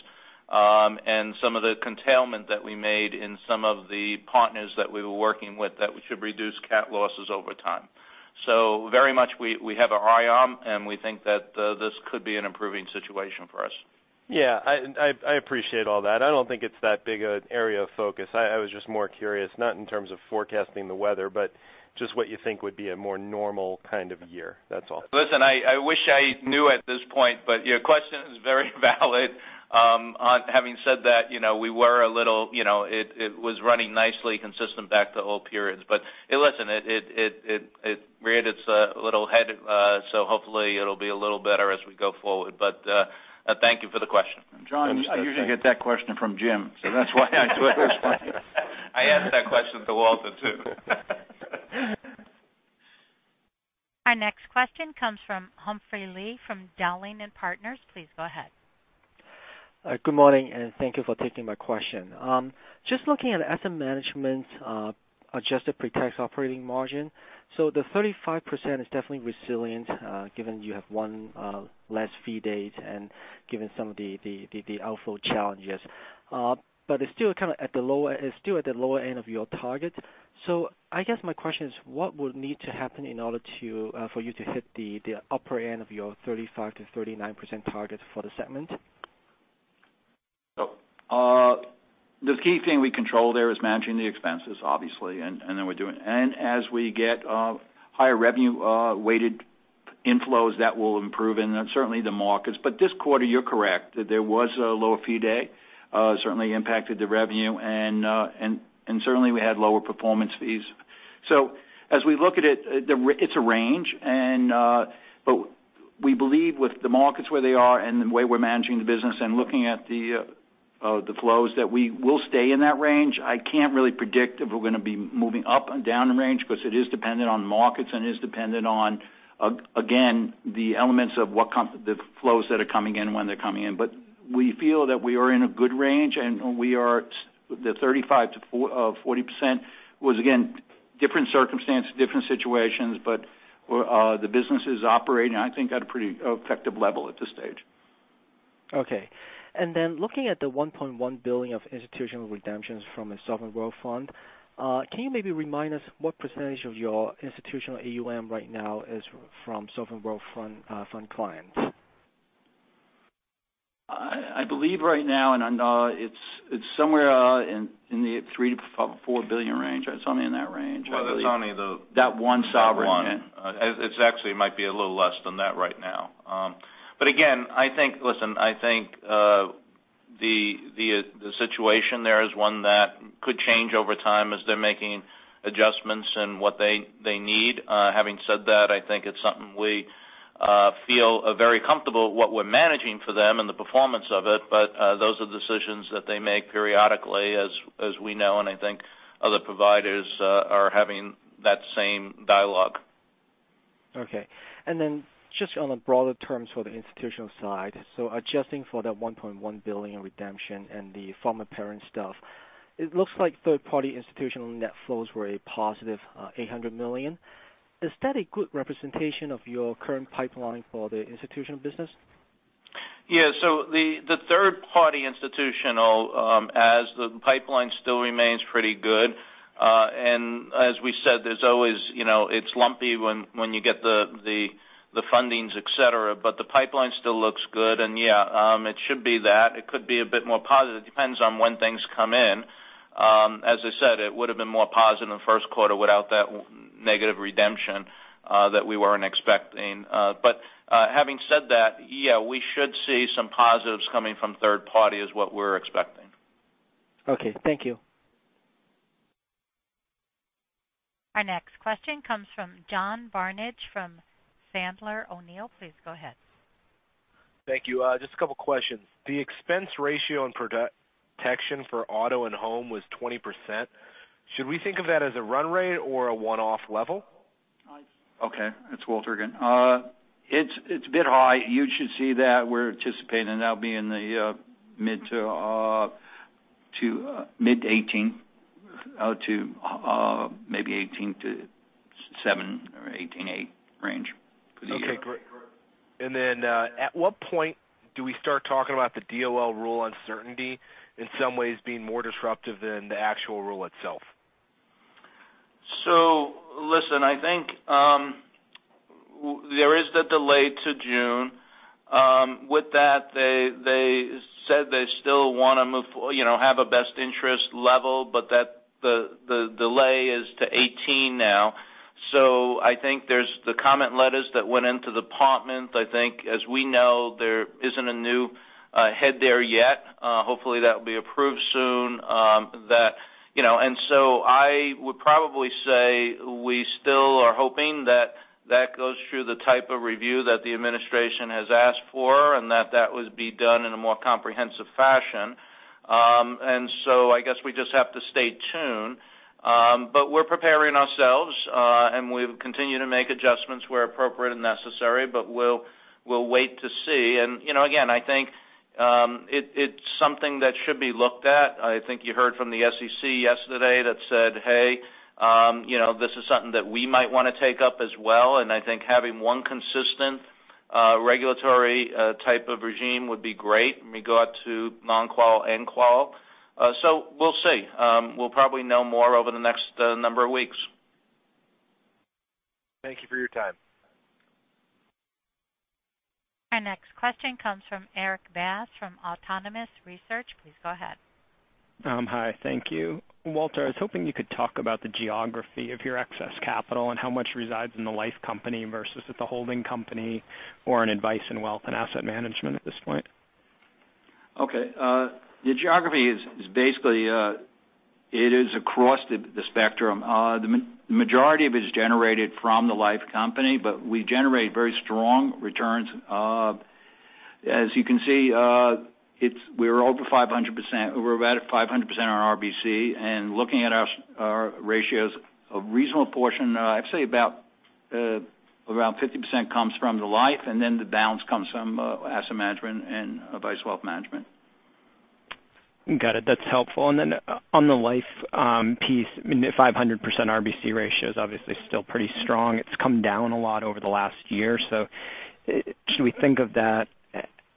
and some of the curtailment that we made in some of the partners that we were working with that we should reduce cat losses over time. Very much we have our eye on, and we think that this could be an improving situation for us. Yeah. I appreciate all that. I don't think it's that big an area of focus. I was just more curious, not in terms of forecasting the weather, but just what you think would be a more normal kind of year. That's all. I wish I knew at this point, your question is very valid. Having said that, it was running nicely consistent back to old periods. Listen, it reared its little head, so hopefully it will be a little better as we go forward. Thank you for the question. John, I usually get that question from Jim, so that is why I took this one. I asked that question to Walter, too. Our next question comes from Humphrey Lee from Dowling & Partners. Please go ahead. Good morning, and thank you for taking my question. Just looking at asset management's adjusted pretax operating margin. The 35% is definitely resilient, given you have one less fee day and given some of the outflow challenges. It's still at the lower end of your target. I guess my question is, what would need to happen in order for you to hit the upper end of your 35%-39% target for the segment? The key thing we control there is managing the expenses, obviously. As we get higher revenue weighted inflows, that will improve and certainly the markets. This quarter, you're correct. There was a lower fee day, certainly impacted the revenue, and certainly we had lower performance fees. As we look at it's a range, but we believe with the markets where they are and the way we're managing the business and looking at the flows, that we will stay in that range. I can't really predict if we're going to be moving up and down the range because it is dependent on markets and is dependent on, again, the elements of the flows that are coming in and when they're coming in. We feel that we are in a good range, and the 35%-40% was, again, different circumstance, different situations, but the business is operating, I think, at a pretty effective level at this stage. Okay. Looking at the $1.1 billion of institutional redemptions from a sovereign wealth fund, can you maybe remind us what percentage of your institutional AUM right now is from sovereign wealth fund clients? I believe right now, I know it's somewhere in the $3 billion-$4 billion range. It's only in that range. Well, it's only the. That one sovereign that one. It actually might be a little less than that right now. Again, listen, the situation there is one that could change over time as they're making adjustments in what they need. Having said that, I think it's something we feel very comfortable what we're managing for them and the performance of it. Those are decisions that they make periodically, as we know, and I think other providers are having that same dialogue. Okay. Just on the broader terms for the institutional side, adjusting for that $1.1 billion redemption and the former parent stuff, it looks like third-party institutional net flows were a positive $800 million. Is that a good representation of your current pipeline for the institutional business? Yeah. The third-party institutional, as the pipeline still remains pretty good. As we said, it's lumpy when you get the fundings, et cetera, but the pipeline still looks good. Yeah, it should be that. It could be a bit more positive. It depends on when things come in. As I said, it would have been more positive in the first quarter without that negative redemption that we weren't expecting. Having said that, yeah, we should see some positives coming from third party is what we're expecting. Okay, thank you. Our next question comes from John Barnidge from Sandler O'Neill. Please go ahead. Thank you. Just a couple questions. The expense ratio and protection for auto and home was 20%. Should we think of that as a run rate or a one-off level? Okay, it's Walter again. It's a bit high. You should see that we're anticipating that'll be in the mid to maybe 18.7 Or 18.8 range. Okay, great. At what point do we start talking about the DOL rule uncertainty in some ways being more disruptive than the actual rule itself? Listen, I think there is the delay to June. With that, they said they still want to have a best interest level, but the delay is to 2018 now. I think there's the comment letters that went into the department. I think, as we know, there isn't a new head there yet. Hopefully, that will be approved soon. I would probably say we still are hoping that that goes through the type of review that the administration has asked for, and that that would be done in a more comprehensive fashion. I guess we just have to stay tuned. We're preparing ourselves, and we'll continue to make adjustments where appropriate and necessary, but we'll wait to see. Again, I think it's something that should be looked at. I think you heard from the SEC yesterday that said, "Hey, this is something that we might want to take up as well." I think having one consistent regulatory type of regime would be great in regard to non-qual and qual. We'll see. We'll probably know more over the next number of weeks. Thank you for your time. Our next question comes from Erik Bass from Autonomous Research. Please go ahead. Hi. Thank you. Walter, I was hoping you could talk about the geography of your excess capital and how much resides in the life company versus at the holding company or in advice in wealth and asset management at this point. Okay. The geography is basically across the spectrum. The majority of it is generated from the life company, but we generate very strong returns. As you can see, we're over 500% on RBC, and looking at our ratios, a reasonable portion, I'd say about 50% comes from the life, and the balance comes from asset management and advice wealth management. Got it. That's helpful. On the life piece, 500% RBC ratio is obviously still pretty strong. It's come down a lot over the last year. Should we think of that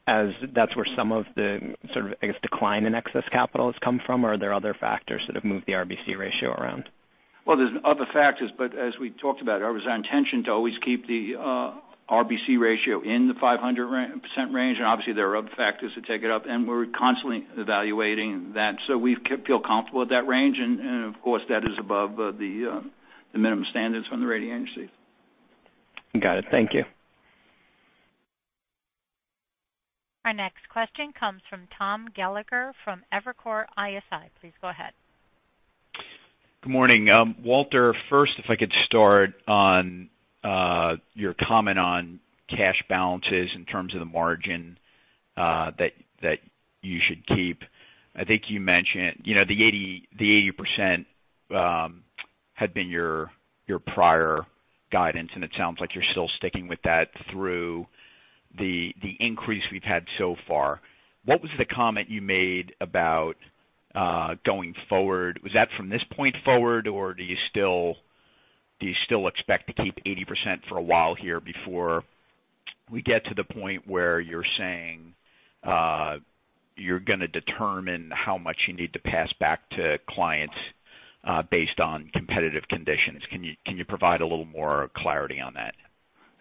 as that's where some of the sort of, I guess, decline in excess capital has come from, or are there other factors that have moved the RBC ratio around? Well, there's other factors, but as we talked about, it was our intention to always keep the RBC ratio in the 500% range, and obviously, there are other factors that take it up, and we're constantly evaluating that. We feel comfortable at that range, and of course, that is above the minimum standards from the rating agencies. Got it. Thank you. Our next question comes from Thomas Gallagher from Evercore ISI. Please go ahead. Good morning. Walter, first, if I could start on your comment on cash balances in terms of the margin that you should keep. I think you mentioned the 80% had been your prior guidance, and it sounds like you're still sticking with that through the increase we've had so far. What was the comment you made about going forward? Was that from this point forward, or do you still expect to keep 80% for a while here before we get to the point where you're saying you're going to determine how much you need to pass back to clients based on competitive conditions? Can you provide a little more clarity on that?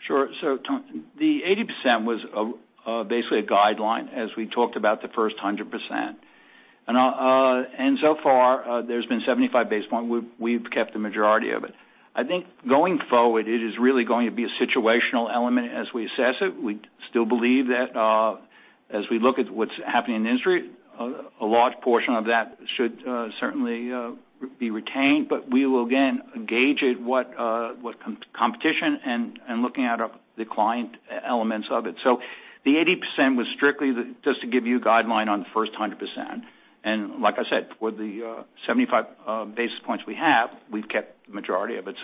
Sure. Tom, the 80% was basically a guideline as we talked about the first 100%. So far, there's been 75 basis points. We've kept the majority of it. I think going forward, it is really going to be a situational element as we assess it. We still believe that as we look at what's happening in the industry, a large portion of that should certainly be retained. We will again gauge it what competition and looking at the client elements of it. The 80% was strictly just to give you a guideline on the first 100%. Like I said, with the 75 basis points we have, we've kept the majority of it.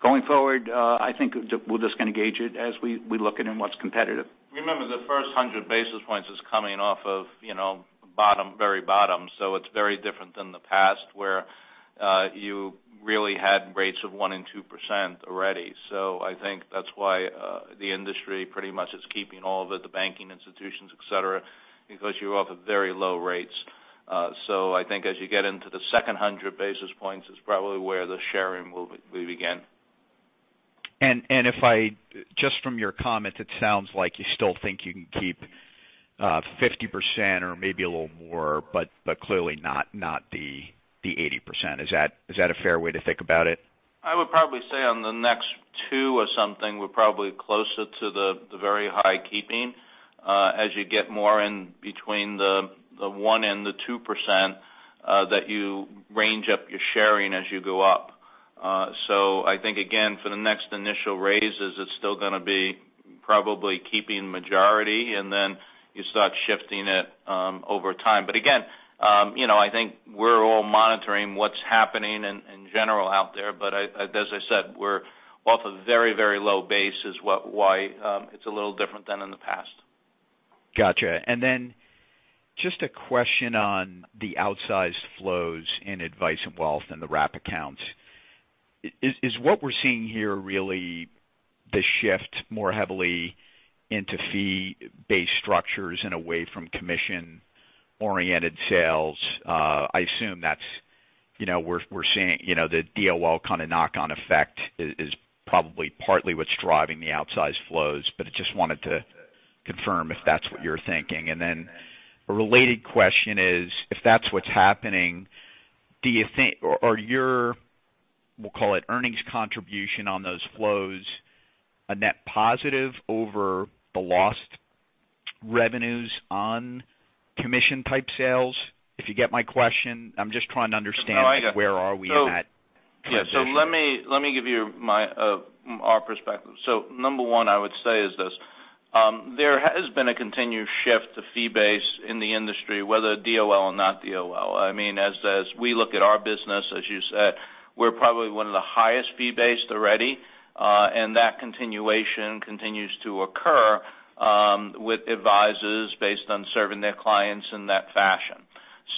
Going forward, I think we're just going to gauge it as we look at in what's competitive. Remember, the first 100 basis points is coming off of very bottom. It's very different than the past, where you really had rates of one and two % already. I think that's why the industry pretty much is keeping all of it, the banking institutions, et cetera, because you're off at very low rates. I think as you get into the second 100 basis points is probably where the sharing will begin. Just from your comments, it sounds like you still think you can keep 50% or maybe a little more, but clearly not the 80%. Is that a fair way to think about it? I would probably say on the next two or something, we're probably closer to the very high keeping as you get more in between the one and the two % that you range up your sharing as you go up. I think, again, for the next initial raises, it's still going to be probably keeping majority, and then you start shifting it over time. Again, I think we're all monitoring what's happening in general out there. As I said, we're off a very low base is why it's a little different than in the past. Got you. Just a question on the outsized flows in advice and wealth in the wrap accounts. Is what we're seeing here really the shift more heavily into fee-based structures and away from commission-oriented sales? I assume that we're seeing the DOL kind of knock-on effect is probably partly what's driving the outsized flows, but I just wanted to confirm if that's what you're thinking. A related question is, if that's what's happening, are your, we'll call it earnings contribution on those flows, a net positive over the lost revenues on commission type sales? If you get my question, I'm just trying to understand where are we at? No, I get it. Let me give you our perspective. Number one I would say is this. There has been a continued shift to fee-based in the industry, whether DOL or not DOL. As we look at our business, as you said, we're probably one of the highest fee-based already. That continuation continues to occur with advisors based on serving their clients in that fashion.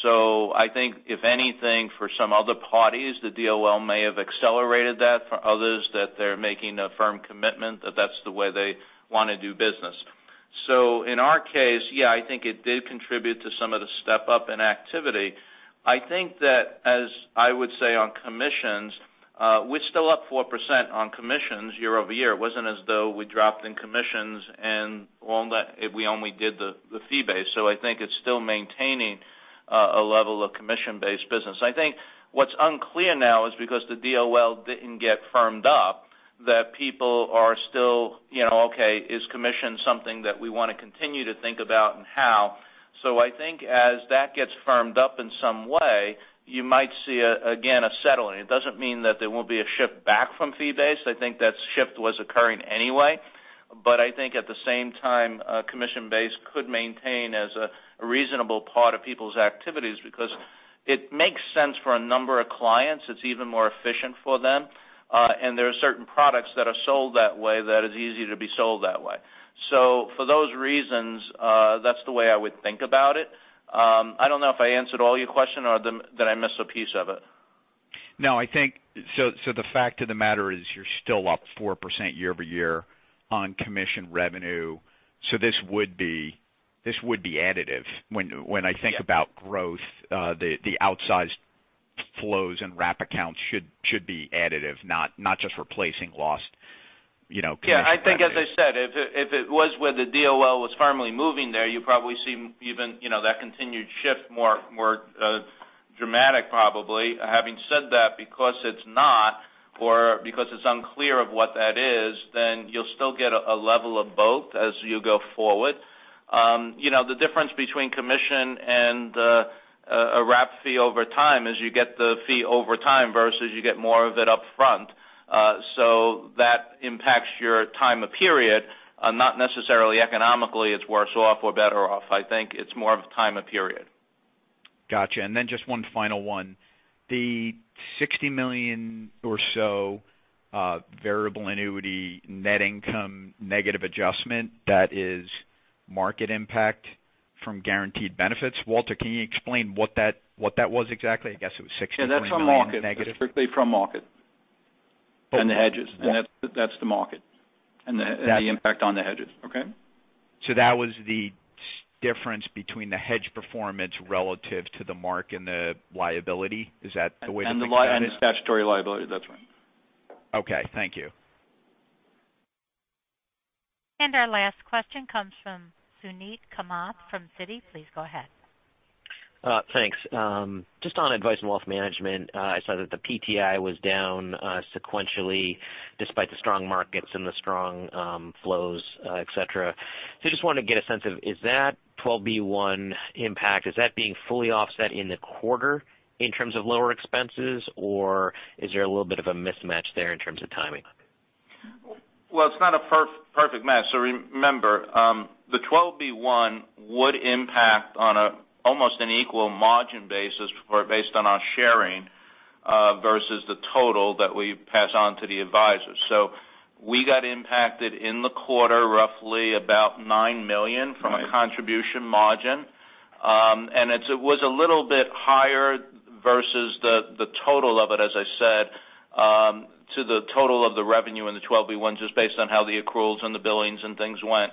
I think if anything, for some other parties, the DOL may have accelerated that. For others, that they're making a firm commitment that that's the way they want to do business. In our case, yeah, I think it did contribute to some of the step-up in activity. I think that as I would say on commissions, we're still up 4% on commissions year-over-year. It wasn't as though we dropped in commissions and we only did the fee-based. I think it's still maintaining a level of commission-based business. I think what's unclear now is because the DOL didn't get firmed up, that people are still, okay, is commission something that we want to continue to think about and how? I think as that gets firmed up in some way, you might see, again, a settling. It doesn't mean that there won't be a shift back from fee-based. I think that shift was occurring anyway. I think at the same time, commission-based could maintain as a reasonable part of people's activities because it makes sense for a number of clients. It's even more efficient for them. There are certain products that are sold that way that is easy to be sold that way. For those reasons, that's the way I would think about it. I don't know if I answered all your question or did I miss a piece of it? I think the fact of the matter is you're still up 4% year-over-year on commission revenue. This would be additive. When I think about growth the outsized flows and wrap accounts should be additive, not just replacing lost commission revenue. Yeah. I think as I said, if it was where the DOL was firmly moving there, you probably see even that continued shift more dramatic probably. Having said that, because it's not or because it's unclear of what that is, you'll still get a level of both as you go forward. The difference between commission and a wrap fee over time is you get the fee over time versus you get more of it upfront. That impacts your time of period. Not necessarily economically it's worse off or better off. I think it's more of a time of period. Got you. Just one final one. The $60 million or so variable annuity net income negative adjustment that is market impact from guaranteed benefits. Walter, can you explain what that was exactly? I guess it was $60 million, $20 million negative. Yeah, that's from market. That's strictly from market and the hedges. That's the market and the impact on the hedges. Okay? That was the difference between the hedge performance relative to the mark and the liability. Is that the way to- The statutory liability. That's right. Okay. Thank you. Our last question comes from Suneet Kamath from Citi. Please go ahead. Thanks. Just on advice and wealth management, I saw that the PTI was down sequentially despite the strong markets and the strong flows, et cetera. Just want to get a sense of, is that 12B-1 impact being fully offset in the quarter in terms of lower expenses, or is there a little bit of a mismatch there in terms of timing? It's not a perfect match. Remember, the 12B-1 would impact on almost an equal margin basis based on our sharing versus the total that we pass on to the advisors. We got impacted in the quarter, roughly about $9 million from a contribution margin. It was a little bit higher versus the total of it, as I said, to the total of the revenue in the 12B-1 just based on how the accruals and the billings and things went.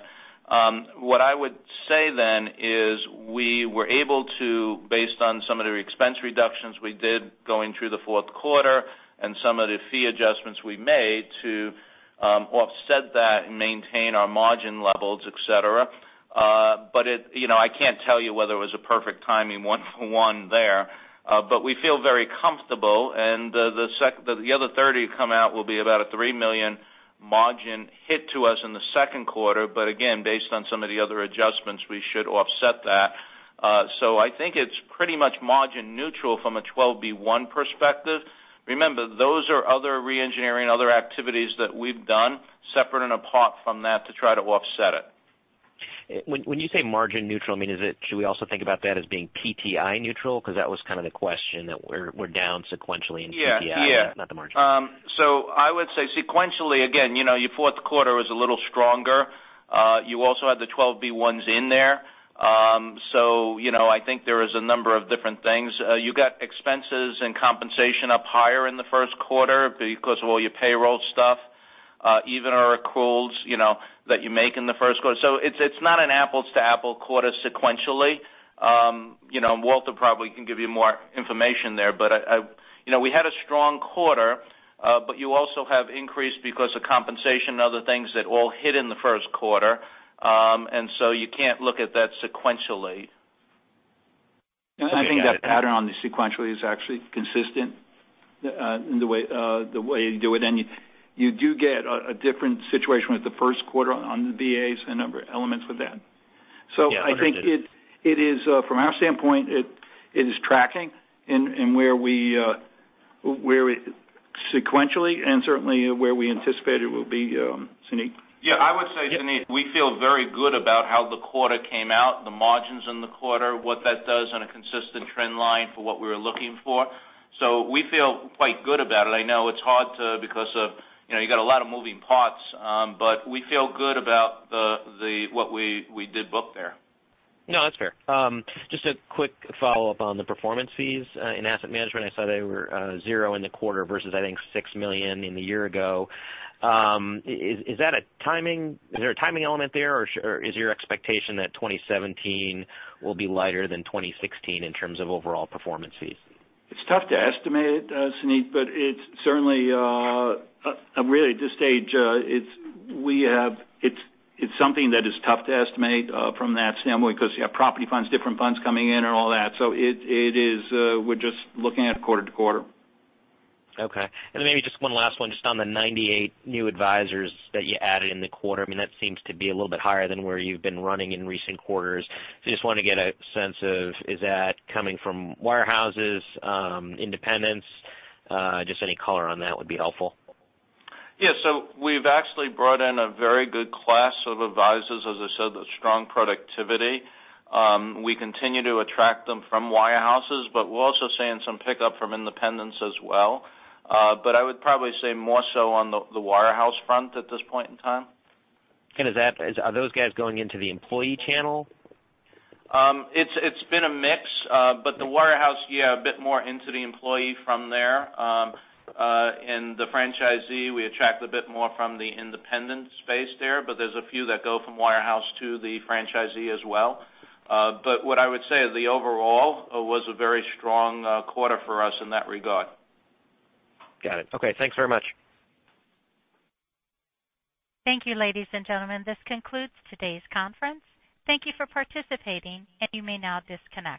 We were able to, based on some of the expense reductions we did going through the fourth quarter and some of the fee adjustments we made to offset that and maintain our margin levels, et cetera. I can't tell you whether it was a perfect timing one-to-one there. We feel very comfortable, and the other 30 come out will be about a $3 million margin hit to us in the second quarter. Again, based on some of the other adjustments, we should offset that. I think it's pretty much margin neutral from a 12B-1 perspective. Remember, those are other re-engineering, other activities that we've done separate and apart from that to try to offset it. When you say margin neutral, should we also think about that as being PTI neutral? Because that was kind of the question that we're down sequentially in PTI- Yeah not the margin. I would say sequentially, again, your fourth quarter was a little stronger. You also had the 12B-1s in there. I think there is a number of different things. You got expenses and compensation up higher in the first quarter because of all your payroll stuff, even our accruals that you make in the first quarter. It's not an apples-to-apples quarter sequentially. Walter probably can give you more information there. We had a strong quarter, but you also have increase because of compensation and other things that all hit in the first quarter. You can't look at that sequentially. I think that pattern on the sequentially is actually consistent in the way you do it. You do get a different situation with the first quarter on the VAs, a number of elements with that. I think from our standpoint, it is tracking sequentially and certainly where we anticipate it will be, Suneet. Yeah, I would say, Suneet, we feel very good about how the quarter came out, the margins in the quarter, what that does on a consistent trend line for what we were looking for. We feel quite good about it. I know it's hard because you got a lot of moving parts. We feel good about what we did book there. No, that's fair. Just a quick follow-up on the performance fees in asset management. I saw they were zero in the quarter versus, I think, $6 million in the year ago. Is there a timing element there, or is your expectation that 2017 will be lighter than 2016 in terms of overall performance fees? It's tough to estimate, Suneet Kamath, but it's certainly, really at this stage, it's something that is tough to estimate from that standpoint because you have property funds, different funds coming in and all that. We're just looking at quarter-to-quarter. Okay. Maybe just one last one, just on the 98 new advisors that you added in the quarter. That seems to be a little bit higher than where you've been running in recent quarters. Just want to get a sense of, is that coming from wirehouses, independents? Just any color on that would be helpful. Yeah. We've actually brought in a very good class of advisors, as I said, with strong productivity. We continue to attract them from wirehouses, but we're also seeing some pickup from independents as well. I would probably say more so on the wirehouse front at this point in time. Are those guys going into the employee channel? The wirehouse, yeah, a bit more into the employee from there. In the franchisee, we attract a bit more from the independent space there's a few that go from wirehouse to the franchisee as well. What I would say is the overall was a very strong quarter for us in that regard. Got it. Okay, thanks very much. Thank you, ladies and gentlemen. This concludes today's conference. Thank you for participating, and you may now disconnect.